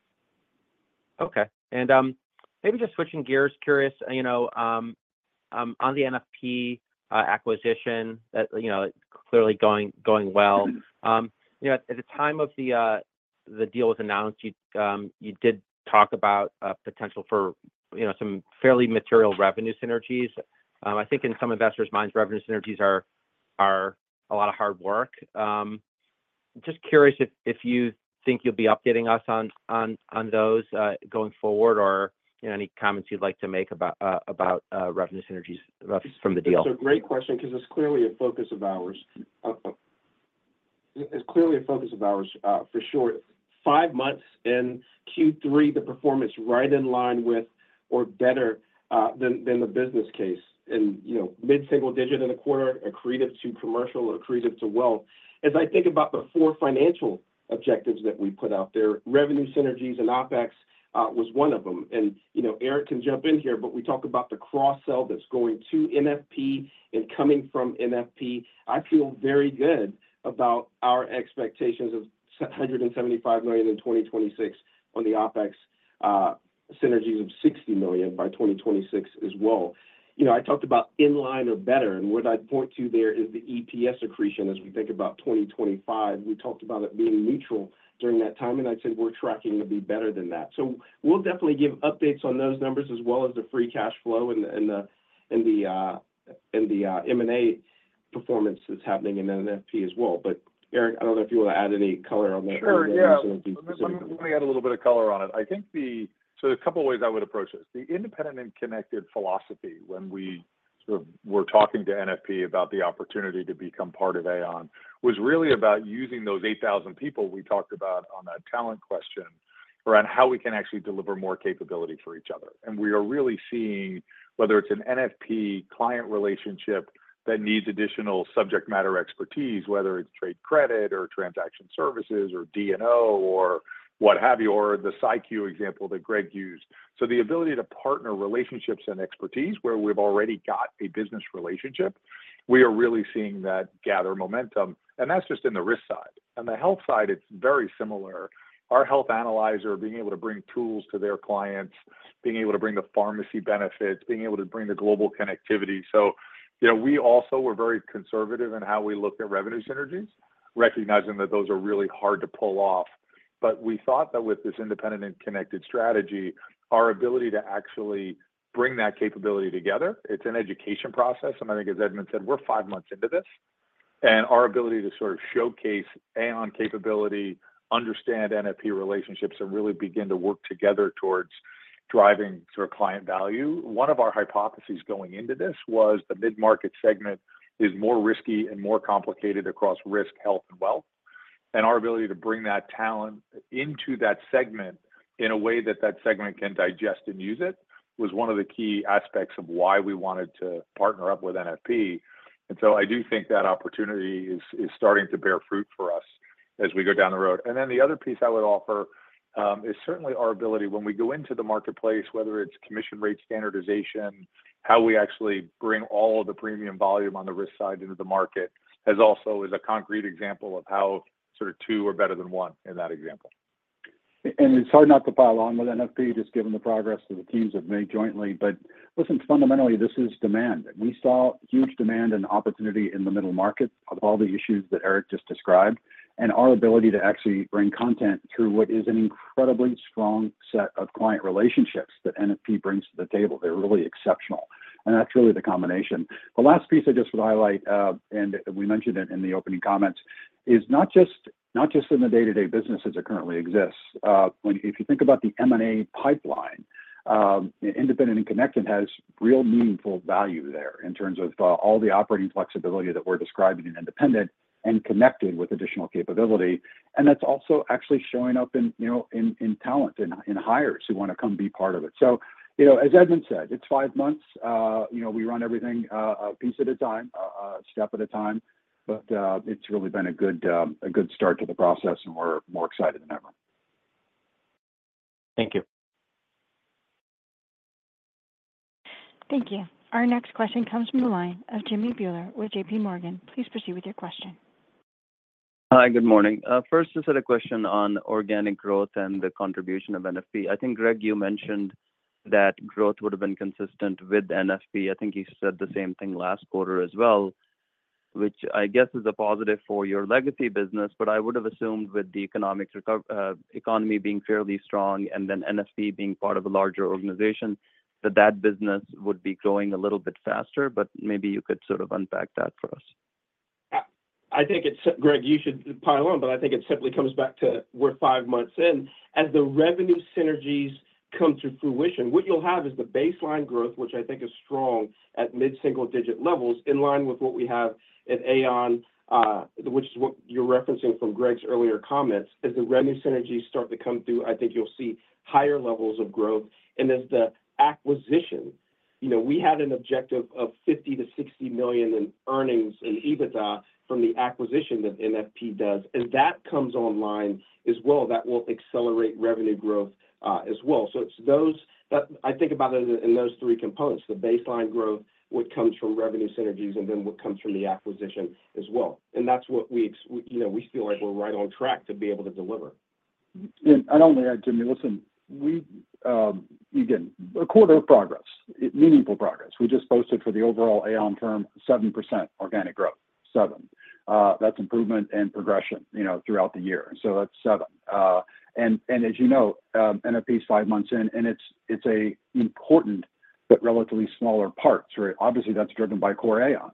Okay, and maybe just switching gears, curious, you know, on the NFP acquisition, that, you know, it's clearly going well. You know, at the time of the deal was announced, you did talk about a potential for, you know, some fairly material revenue synergies. I think in some investors' minds, revenue synergies are a lot of hard work. Just curious if you think you'll be updating us on those going forward, or, you know, any comments you'd like to make about revenue synergies from the deal? That's a great question because it's clearly a focus of ours. It's clearly a focus of ours, for sure. Five months in Q3, the performance right in line with or better than the business case. And, you know, mid-single digit in the quarter, accretive to commercial or accretive to wealth. As I think about the four financial objectives that we put out there, revenue synergies and OpEx was one of them. And, you know, Eric can jump in here, but we talk about the cross-sell that's going to NFP and coming from NFP. I feel very good about our expectations of $175 million in 2026 on the OpEx synergies of $60 million by 2026 as well. You know, I talked about in line or better, and what I'd point to there is the EPS accretion as we think about 2025. We talked about it being neutral during that time, and I'd say we're tracking to be better than that. So we'll definitely give updates on those numbers as well as the free cash flow and the M&A performance that's happening in NFP as well. But, Eric, I don't know if you want to add any color on that. Sure. Yeah. As well. Let me, let me add a little bit of color on it. I think the... So there's a couple of ways I would approach this. The Independent and Connected philosophy when we sort of were talking to NFP about the opportunity to become part of Aon, was really about using those eight thousand people we talked about on that talent question around how we can actually deliver more capability for each other. And we are really seeing whether it's an NFP client relationship that needs additional subject matter expertise, whether it's trade credit or transaction services or D&O or what have you, or the CyQu example that Greg used. So the ability to partner relationships and expertise where we've already got a business relationship, we are really seeing that gather momentum, and that's just in the risk side. On the health side, it's very similar. Our health analyzer, being able to bring tools to their clients, being able to bring the pharmacy benefits, being able to bring the global connectivity. So you know, we also were very conservative in how we looked at revenue synergies, recognizing that those are really hard to pull off. But we thought that with this independent and connected strategy, our ability to actually bring that capability together, it's an education process. And I think as Edmund said, we're five months into this, and our ability to sort of showcase Aon capability, understand NFP relationships, and really begin to work together towards driving sort of client value. One of our hypotheses going into this was the mid-market segment is more risky and more complicated across risk, health, and wealth. Our ability to bring that talent into that segment in a way that that segment can digest and use it, was one of the key aspects of why we wanted to partner up with NFP. So I do think that opportunity is starting to bear fruit for us as we go down the road. The other piece I would offer is certainly our ability when we go into the marketplace, whether it's commission rate standardization, how we actually bring all of the premium volume on the risk side into the market, is also a concrete example of how sort of two are better than one in that example. And it's hard not to pile on with NFP, just given the progress that the teams have made jointly. But listen, fundamentally, this is demand. We saw huge demand and opportunity in the middle market of all the issues that Eric just described, and our ability to actually bring content through what is an incredibly strong set of client relationships that NFP brings to the table. They're really exceptional... and that's really the combination. The last piece I just would highlight, and we mentioned it in the opening comments, is not just in the day-to-day business as it currently exists. If you think about the M&A pipeline, independent and connected has real meaningful value there in terms of all the operating flexibility that we're describing in independent and connected with additional capability. And that's also actually showing up in, you know, in talent, in hires who want to come be part of it. So, you know, as Edmund said, it's five months. You know, we run everything a piece at a time, a step at a time, but it's really been a good start to the process, and we're more excited than ever. Thank you. Thank you. Our next question comes from the line of Jimmy Bhullar with J.P. Morgan. Please proceed with your question. Hi, good morning. First, just had a question on organic growth and the contribution of NFP. I think, Greg, you mentioned that growth would have been consistent with NFP. I think you said the same thing last quarter as well, which I guess is a positive for your legacy business, but I would have assumed with the economy being fairly strong and then NFP being part of a larger organization, that that business would be growing a little bit faster, but maybe you could sort of unpack that for us. I think it's Greg, you should pile on, but I think it simply comes back to we're five months in. As the revenue synergies come to fruition, what you'll have is the baseline growth, which I think is strong, at mid-single-digit levels, in line with what we have at Aon, which is what you're referencing from Greg's earlier comments. As the revenue synergies start to come through, I think you'll see higher levels of growth. And as the acquisition... You know, we had an objective of 50-60 million in earnings and EBITDA from the acquisition that NFP does. As that comes online as well, that will accelerate revenue growth, as well. So it's those that I think about it in those three components, the baseline growth, what comes from revenue synergies, and then what comes from the acquisition as well. That's what we, you know, we feel like we're right on track to be able to deliver. And I'd only add, Jimmy, listen, we, again, a quarter of progress, meaningful progress. We just posted for the overall Aon term, 7% organic growth. 7. That's improvement and progression, you know, throughout the year. So that's 7. And, and as you know, NFP is five months in, and it's, it's a important but relatively smaller part. Obviously, that's driven by core Aon,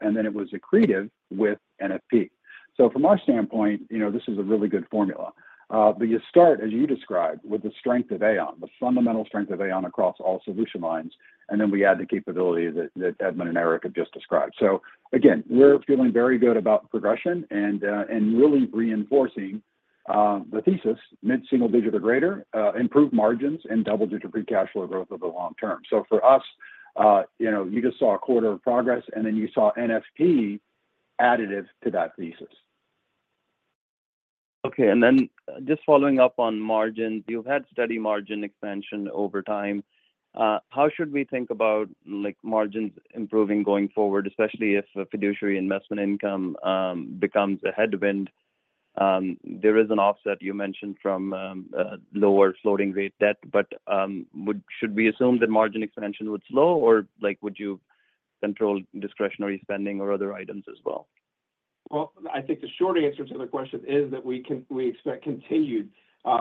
and then it was accretive with NFP. So from our standpoint, you know, this is a really good formula. But you start, as you described, with the strength of Aon, the fundamental strength of Aon across all solution lines, and then we add the capability that, that Edmund and Eric have just described. So again, we're feeling very good about progression and really reinforcing the thesis, mid-single digit or greater, improved margins and double-digit free cash flow growth over the long term. So for us, you know, you just saw a quarter of progress, and then you saw NFP additive to that thesis. Okay. And then just following up on margins, you've had steady margin expansion over time. How should we think about, like, margins improving going forward, especially if Fiduciary Investment Income becomes a headwind? There is an offset you mentioned from a lower floating rate debt, but should we assume that margin expansion would slow, or, like, would you control discretionary spending or other items as well? I think the short answer to the question is that we expect continued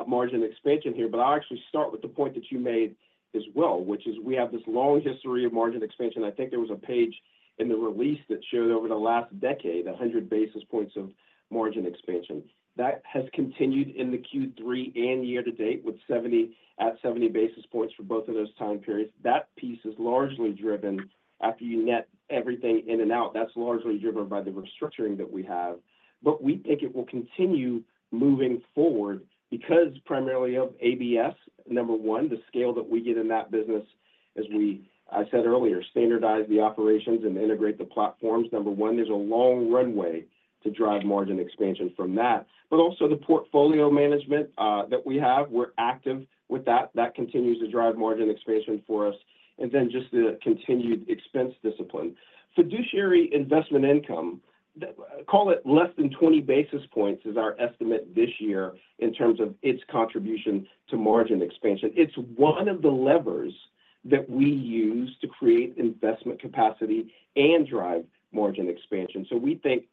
margin expansion here. But I'll actually start with the point that you made as well, which is we have this long history of margin expansion. I think there was a page in the release that showed over the last decade, 100 basis points of margin expansion. That has continued in the Q3 and year to date, with at 70 basis points for both of those time periods. That piece is largely driven, after you net everything in and out, that's largely driven by the restructuring that we have. But we think it will continue moving forward because primarily of ABS. Number one, the scale that we get in that business, as I said earlier, standardize the operations and integrate the platforms. Number one, there's a long runway to drive margin expansion from that. But also the portfolio management that we have, we're active with that. That continues to drive margin expansion for us, and then just the continued expense discipline. Fiduciary investment income, call it less than 20 basis points, is our estimate this year in terms of its contribution to margin expansion. It's one of the levers that we use to create investment capacity and drive margin expansion. So we think,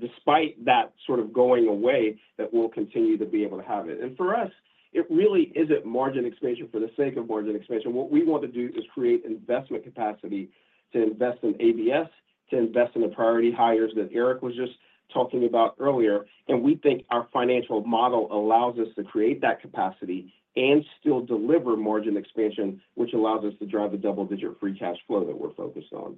despite that sort of going away, that we'll continue to be able to have it. And for us, it really isn't margin expansion for the sake of margin expansion. What we want to do is create investment capacity to invest in ABS, to invest in the priority hires that Eric was just talking about earlier, and we think our financial model allows us to create that capacity and still deliver margin expansion, which allows us to drive the double-digit free cash flow that we're focused on.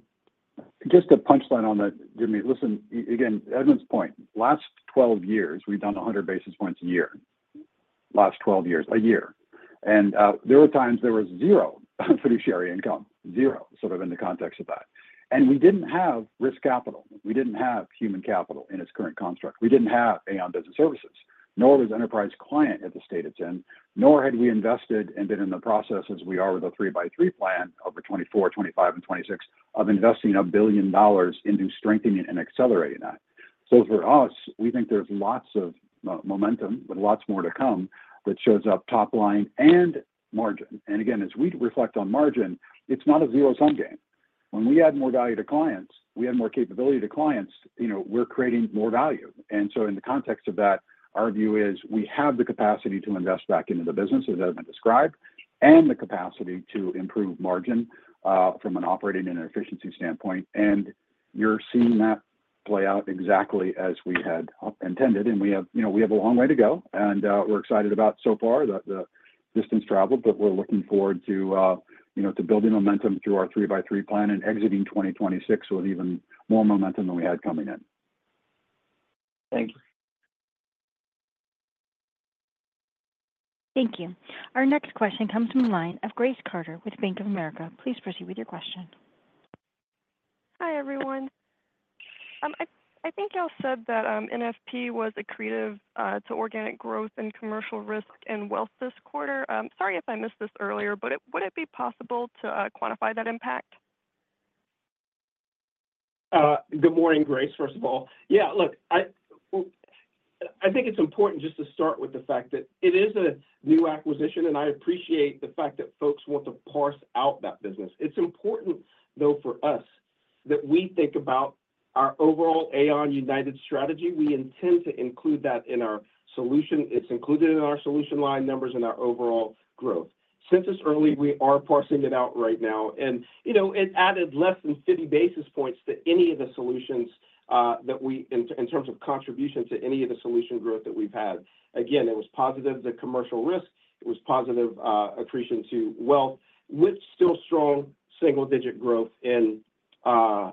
Just a punchline on that, Jimmy. Listen, again, Edmund's point, last twelve years, we've done 100 basis points a year. Last twelve years, a year. And there were times there was zero fiduciary income, zero, sort of in the context of that. And we didn't have Risk Capital, we didn't have Human Capital in its current construct. We didn't have Aon Business Services, nor was enterprise client at the state it's in, nor had we invested and been in the process as we are with a three-by-three plan over 2024, 2025, and 2026, of investing $1 billion into strengthening and accelerating that. So for us, we think there's lots of momentum, but lots more to come, that shows up top line and margin. And again, as we reflect on margin, it's not a zero-sum game. When we add more value to clients, we add more capability to clients, you know, we're creating more value. And so in the context of that, our view is we have the capacity to invest back into the business, as Edmund described, and the capacity to improve margin, from an operating and an efficiency standpoint. And you're seeing that play out exactly as we had intended. And we have, you know, we have a long way to go, and, we're excited about so far the distance traveled, but we're looking forward to, you know, to building momentum through our three-by-three plan and exiting twenty twenty-six with even more momentum than we had coming in. Thank you. Thank you. Our next question comes from the line of Grace Carter with Bank of America. Please proceed with your question. Hi, everyone. I think y'all said that NFP was accretive to organic growth and commercial risk and wealth this quarter. Sorry if I missed this earlier, but would it be possible to quantify that impact? Good morning, Grace, first of all. Yeah, look, well, I think it's important just to start with the fact that it is a new acquisition, and I appreciate the fact that folks want to parse out that business. It's important, though, for us, that we think about our overall Aon United strategy. We intend to include that in our solution. It's included in our solution line numbers and our overall growth. Since it's early, we are parsing it out right now, and, you know, it added less than 50 basis points to any of the solutions that we in terms of contribution to any of the solution growth that we've had. Again, it was positive to commercial risk, it was positive accretion to wealth, with still strong single-digit growth in mid-single digit growth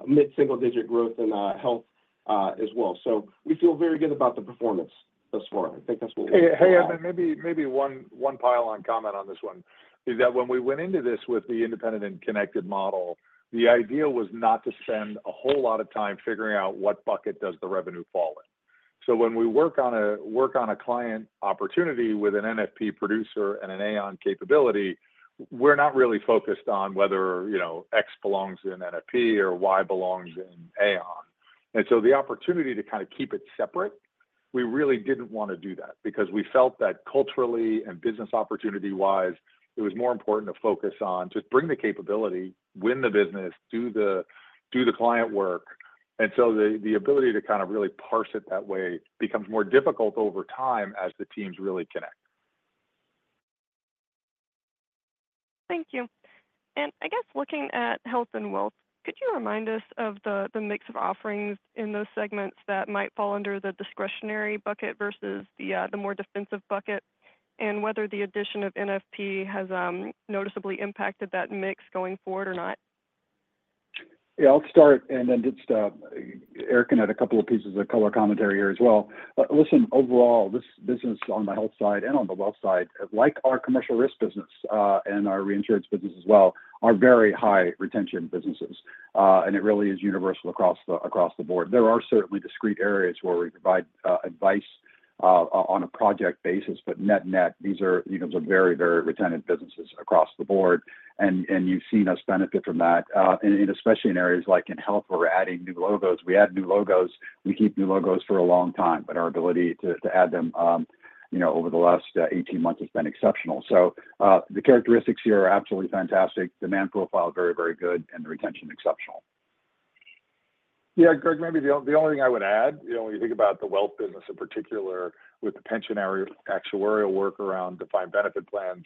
in health as well. So we feel very good about the performance thus far. I think that's what we- Hey, Edmund, maybe one pile-on comment on this one is that when we went into this with the Independent and Connected model, the idea was not to spend a whole lot of time figuring out what bucket does the revenue fall in. So when we work on a client opportunity with an NFP producer and an Aon capability, we're not really focused on whether, you know, X belongs in NFP or Y belongs in Aon. And so the opportunity to kind of keep it separate, we really didn't want to do that because we felt that culturally and business opportunity-wise, it was more important to focus on just bring the capability, win the business, do the client work. And so the ability to kind of really parse it that way becomes more difficult over time as the teams really connect. Thank you. And I guess looking at health and wealth, could you remind us of the mix of offerings in those segments that might fall under the discretionary bucket versus the more defensive bucket, and whether the addition of NFP has noticeably impacted that mix going forward or not? Yeah, I'll start and then just, Eric can add a couple of pieces of color commentary here as well. But listen, overall, this business on the health side and on the wealth side, like our commercial risk business, and our reinsurance business as well, are very high retention businesses. And it really is universal across the board. There are certainly discrete areas where we provide, advice, on a project basis, but net-net, these are, you know, some very, very retentive businesses across the board. And you've seen us benefit from that. And especially in areas like in health, we're adding new logos. We add new logos. We keep new logos for a long time, but our ability to add them, you know, over the last 18 months has been exceptional. So, the characteristics here are absolutely fantastic. Demand profile, very, very good, and the retention, exceptional. Yeah, Greg, maybe the only thing I would add, you know, when you think about the wealth business in particular with the pensionary actuarial work around defined benefit plans,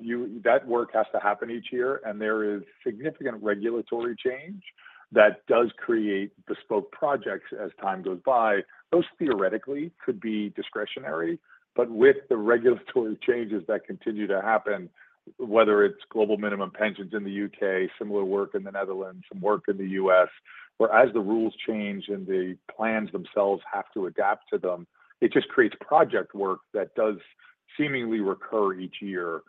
you, that work has to happen each year, and there is significant regulatory change that does create bespoke projects as time goes by. Those theoretically could be discretionary, but with the regulatory changes that continue to happen, whether it's global minimum pensions in the U.K., similar work in the Netherlands, some work in the U.S., where as the rules change and the plans themselves have to adapt to them, it just creates project work that does seemingly recur each year.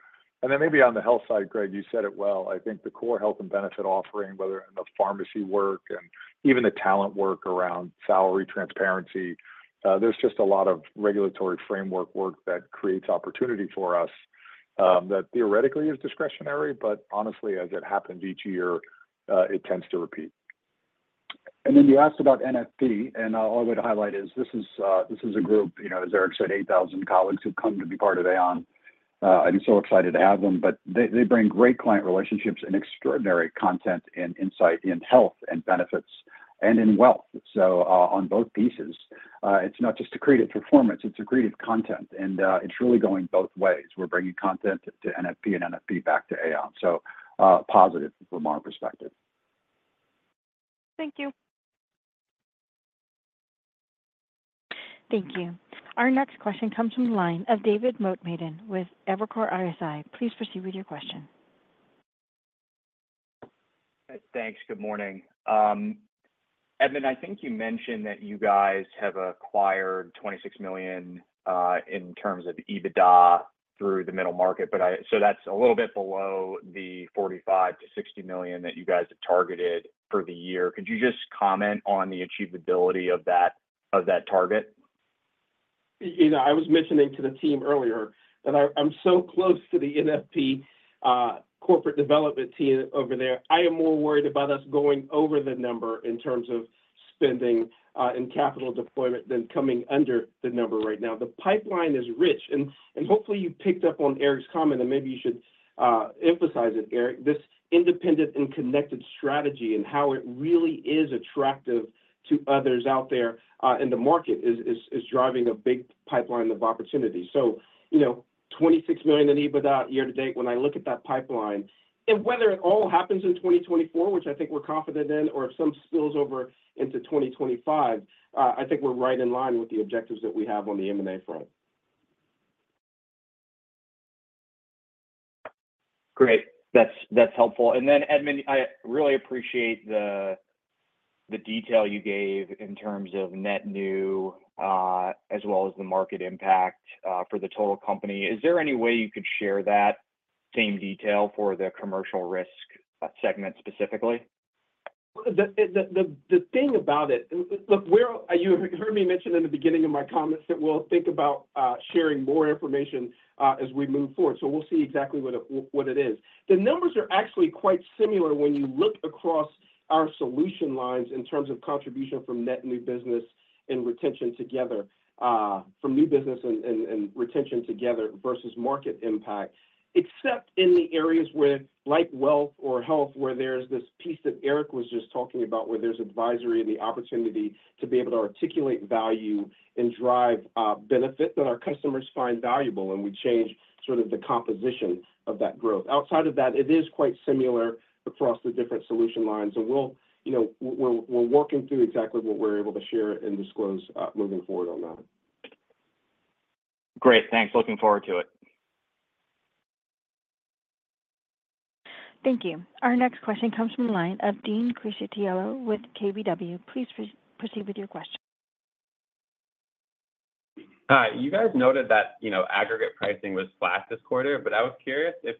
And then maybe on the health side, Greg, you said it well. I think the core health and benefit offering, whether in the pharmacy work and even the talent work around salary transparency, there's just a lot of regulatory framework work that creates opportunity for us, that theoretically is discretionary, but honestly, as it happens each year, it tends to repeat. And then you asked about NFP, and all I'm going to highlight is this is a group, you know, as Eric said, eight thousand colleagues who've come to be part of Aon. I'm so excited to have them, but they bring great client relationships and extraordinary content and insight in health and benefits and in wealth. So, on both pieces, it's not just accretive performance, it's accretive content, and it's really going both ways. We're bringing content to NFP and NFP back to Aon. So, positive from our perspective. Thank you. Thank you. Our next question comes from the line of David Motemaden with Evercore ISI. Please proceed with your question. Thanks. Good morning. Edmund, I think you mentioned that you guys have acquired $26 million in terms of EBITDA through the middle market, but so that's a little bit below the $45 million-$60 million that you guys have targeted for the year. Could you just comment on the achievability of that, of that target? You know, I was mentioning to the team earlier that I'm so close to the NFP corporate development team over there. I am more worried about us going over the number in terms of spending in capital deployment than coming under the number right now. The pipeline is rich, and hopefully you picked up on Eric's comment, and maybe you should emphasize it, Eric, this Independent and Connected strategy and how it really is attractive to others out there in the market is driving a big pipeline of opportunity. So, you know, 26 million in EBITDA year to date, when I look at that pipeline, and whether it all happens in 2024, which I think we're confident in, or if some spills over into 2025, I think we're right in line with the objectives that we have on the M&A front. Great. That's, that's helpful. And then, Edmund, I really appreciate the detail you gave in terms of net new, as well as the market impact, for the total company. Is there any way you could share that same detail for the commercial risk segment, specifically? The thing about it, look, you heard me mention in the beginning of my comments that we'll think about sharing more information as we move forward, so we'll see exactly what it is. The numbers are actually quite similar when you look across our solution lines in terms of contribution from net new business and retention together, from new business and retention together versus market impact. Except in the areas where, like wealth or health, where there's this piece that Eric was just talking about, where there's advisory and the opportunity to be able to articulate value and drive benefit that our customers find valuable, and we change sort of the composition of that growth. Outside of that, it is quite similar across the different solution lines. So we'll... You know, we're working through exactly what we're able to share and disclose, moving forward on that. Great, thanks. Looking forward to it. Thank you. Our next question comes from the line of Dean Criscitiello with KBW. Please proceed with your question. Hi. You guys noted that, you know, aggregate pricing was flat this quarter, but I was curious if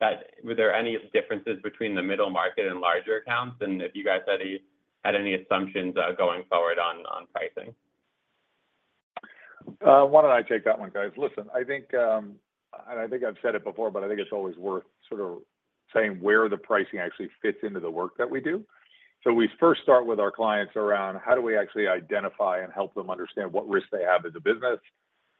that were there any differences between the middle market and larger accounts, and if you guys had any assumptions going forward on pricing? Why don't I take that one, guys? Listen, I think, and I think I've said it before, but I think it's always worth sort of saying where the pricing actually fits into the work that we do. So we first start with our clients around how do we actually identify and help them understand what risk they have as a business?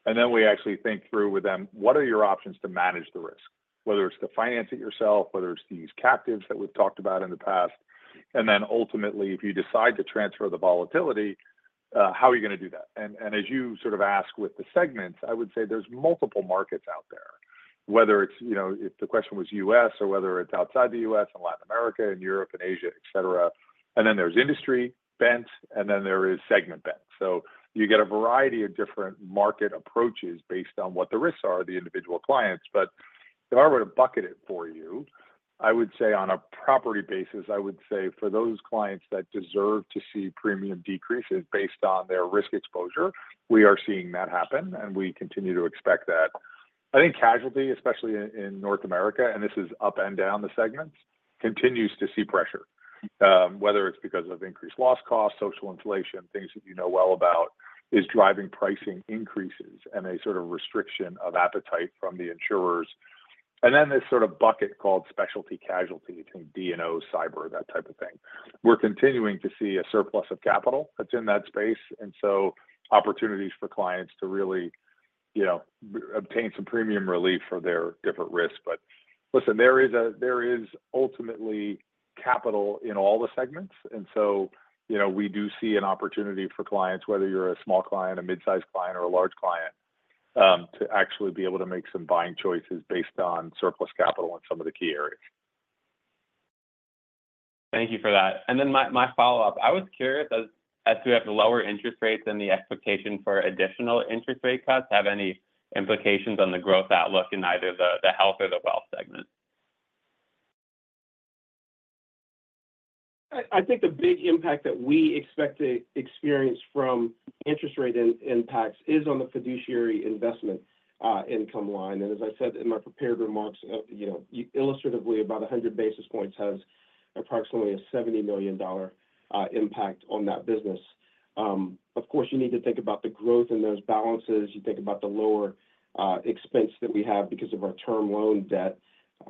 And then we actually think through with them, what are your options to manage the risk? Whether it's to finance it yourself, whether it's these captives that we've talked about in the past, and then ultimately, if you decide to transfer the volatility, how are you going to do that? As you sort of ask with the segments, I would say there's multiple markets out there, whether it's, you know, if the question was U.S. or whether it's outside the U.S., and Latin America, and Europe, and Asia, et cetera. Then there's industry bent, and then there is segment bent. You get a variety of different market approaches based on what the risks are, the individual clients. But if I were to bucket it for you, I would say on a property basis, I would say for those clients that deserve to see premium decreases based on their risk exposure, we are seeing that happen, and we continue to expect that. I think casualty, especially in North America, and this is up and down the segments, continues to see pressure. Whether it's because of increased loss costs, social inflation, things that you know well about, is driving pricing increases and a sort of restriction of appetite from the insurers. And then this sort of bucket called specialty casualty, think DNO, cyber, that type of thing. We're continuing to see a surplus of capital that's in that space, and so opportunities for clients to really, you know, obtain some premium relief for their different risks. But listen, there is ultimately capital in all the segments, and so, you know, we do see an opportunity for clients, whether you're a small client, a mid-sized client, or a large client, to actually be able to make some buying choices based on surplus capital in some of the key areas. Thank you for that. And then my follow-up: I was curious, as we have the lower interest rates and the expectation for additional interest rate cuts, have any implications on the growth outlook in either the health or the wealth segment? I think the big impact that we expect to experience from interest rate impacts is on the Fiduciary Investment Income line. And as I said in my prepared remarks, you know, illustratively, about 100 basis points has approximately a $70 million impact on that business. Of course, you need to think about the growth in those balances. You think about the lower expense that we have because of our term loan debt,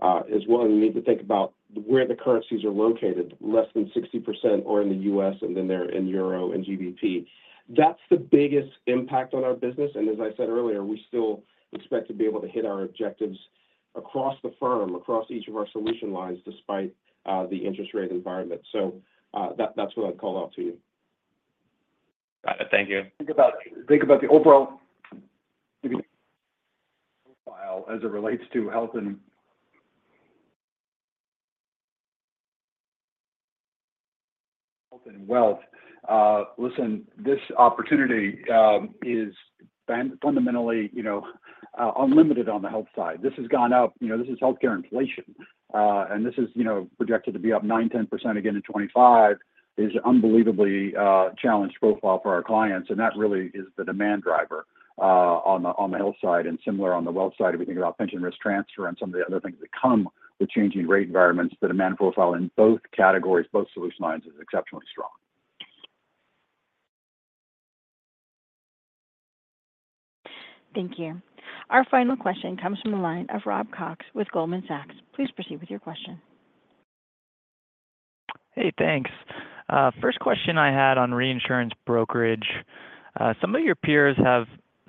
as well, and you need to think about where the currencies are located. Less than 60% are in the U.S., and then they're in euro and GBP. That's the biggest impact on our business, and as I said earlier, we still expect to be able to hit our objectives across the firm, across each of our solution lines, despite the interest rate environment. So, that, that's what I'd call out to you. Thank you. Think about the overall profile as it relates to health and wealth. Listen, this opportunity is fundamentally, you know, unlimited on the health side. This has gone up, you know, this is healthcare inflation, and this is, you know, projected to be up 9%-10% again in 2025. It is unbelievably challenged profile for our clients, and that really is the demand driver on the health side and similar on the wealth side. If we think about pension risk transfer and some of the other things that come with changing rate environments, the demand profile in both categories, both solution lines, is exceptionally strong.... Thank you. Our final question comes from the line of Rob Cox with Goldman Sachs. Please proceed with your question. Hey, thanks. First question I had on reinsurance brokerage. Some of your peers have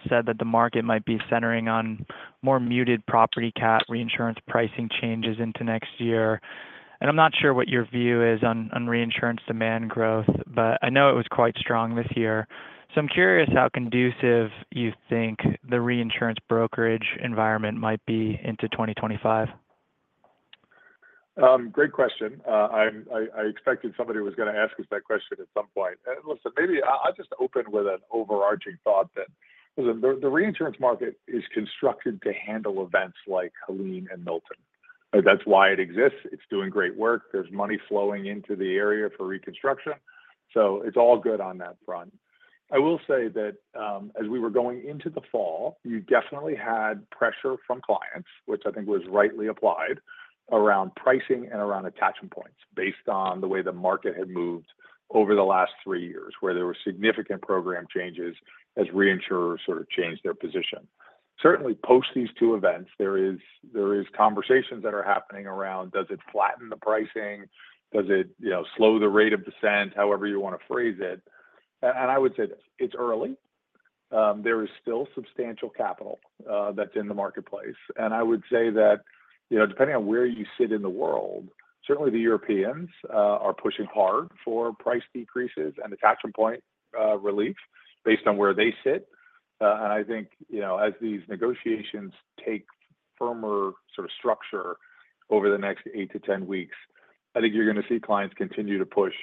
said that the market might be centering on more muted property cat reinsurance pricing changes into next year, and I'm not sure what your view is on reinsurance demand growth, but I know it was quite strong this year. So I'm curious how conducive you think the reinsurance brokerage environment might be into 2025? Great question. I expected somebody was gonna ask us that question at some point. Listen, maybe I'll just open with an overarching thought that the reinsurance market is constructed to handle events like Helene and Milton. That's why it exists. It's doing great work. There's money flowing into the area for reconstruction, so it's all good on that front. I will say that, as we were going into the fall, you definitely had pressure from clients, which I think was rightly applied, around pricing and around attachment points, based on the way the market had moved over the last three years, where there were significant program changes as reinsurers sort of changed their position. Certainly, post these two events, there is conversations that are happening around, Does it flatten the pricing? Does it, you know, slow the rate of descent? However you want to phrase it. And I would say this, it's early. There is still substantial capital that's in the marketplace. And I would say that, you know, depending on where you sit in the world, certainly the Europeans are pushing hard for price decreases and attachment point relief based on where they sit. And I think, you know, as these negotiations take firmer sort of structure over the next eight-to-ten weeks, I think you're gonna see clients continue to push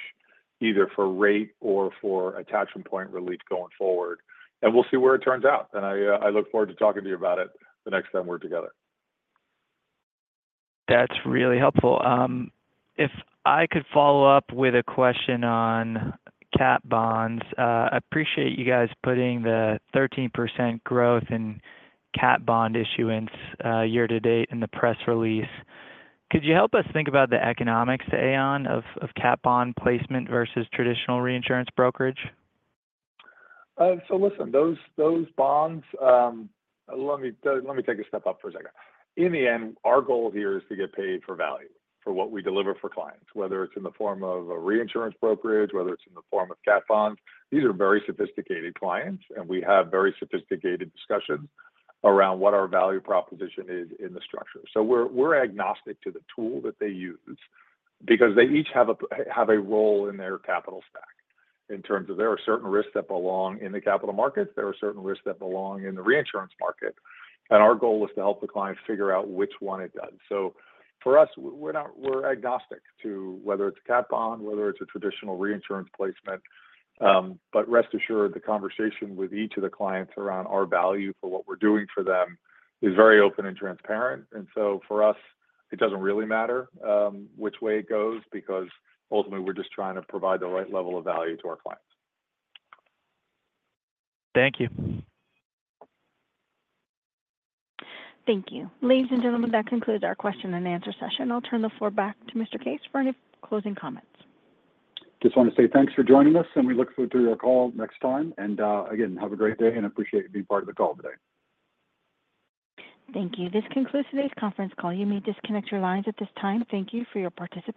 either for rate or for attachment point relief going forward. And we'll see where it turns out, and I look forward to talking to you about it the next time we're together. That's really helpful. If I could follow up with a question on cat bonds. I appreciate you guys putting the 13% growth in cat bond issuance, year to date in the press release. Could you help us think about the economics, Aon, of cat bond placement versus traditional reinsurance brokerage? So listen, those bonds. Let me take a step up for a second. In the end, our goal here is to get paid for value, for what we deliver for clients, whether it's in the form of a reinsurance brokerage, whether it's in the form of cat bonds. These are very sophisticated clients, and we have very sophisticated discussions around what our value proposition is in the structure. So we're agnostic to the tool that they use because they each have a play a role in their capital stack. In terms of there are certain risks that belong in the capital markets, there are certain risks that belong in the reinsurance market, and our goal is to help the client figure out which one it does. So for us, we're not agnostic to whether it's a cat bond, whether it's a traditional reinsurance placement, but rest assured, the conversation with each of the clients around our value for what we're doing for them is very open and transparent, and so for us, it doesn't really matter, which way it goes, because ultimately, we're just trying to provide the right level of value to our clients. Thank you. Thank you. Ladies and gentlemen, that concludes our question and answer session. I'll turn the floor back to Mr. Case for any closing comments. Just want to say thanks for joining us, and we look forward to your call next time. And, again, have a great day, and appreciate you being part of the call today. Thank you. This concludes today's conference call. You may disconnect your lines at this time. Thank you for your participation.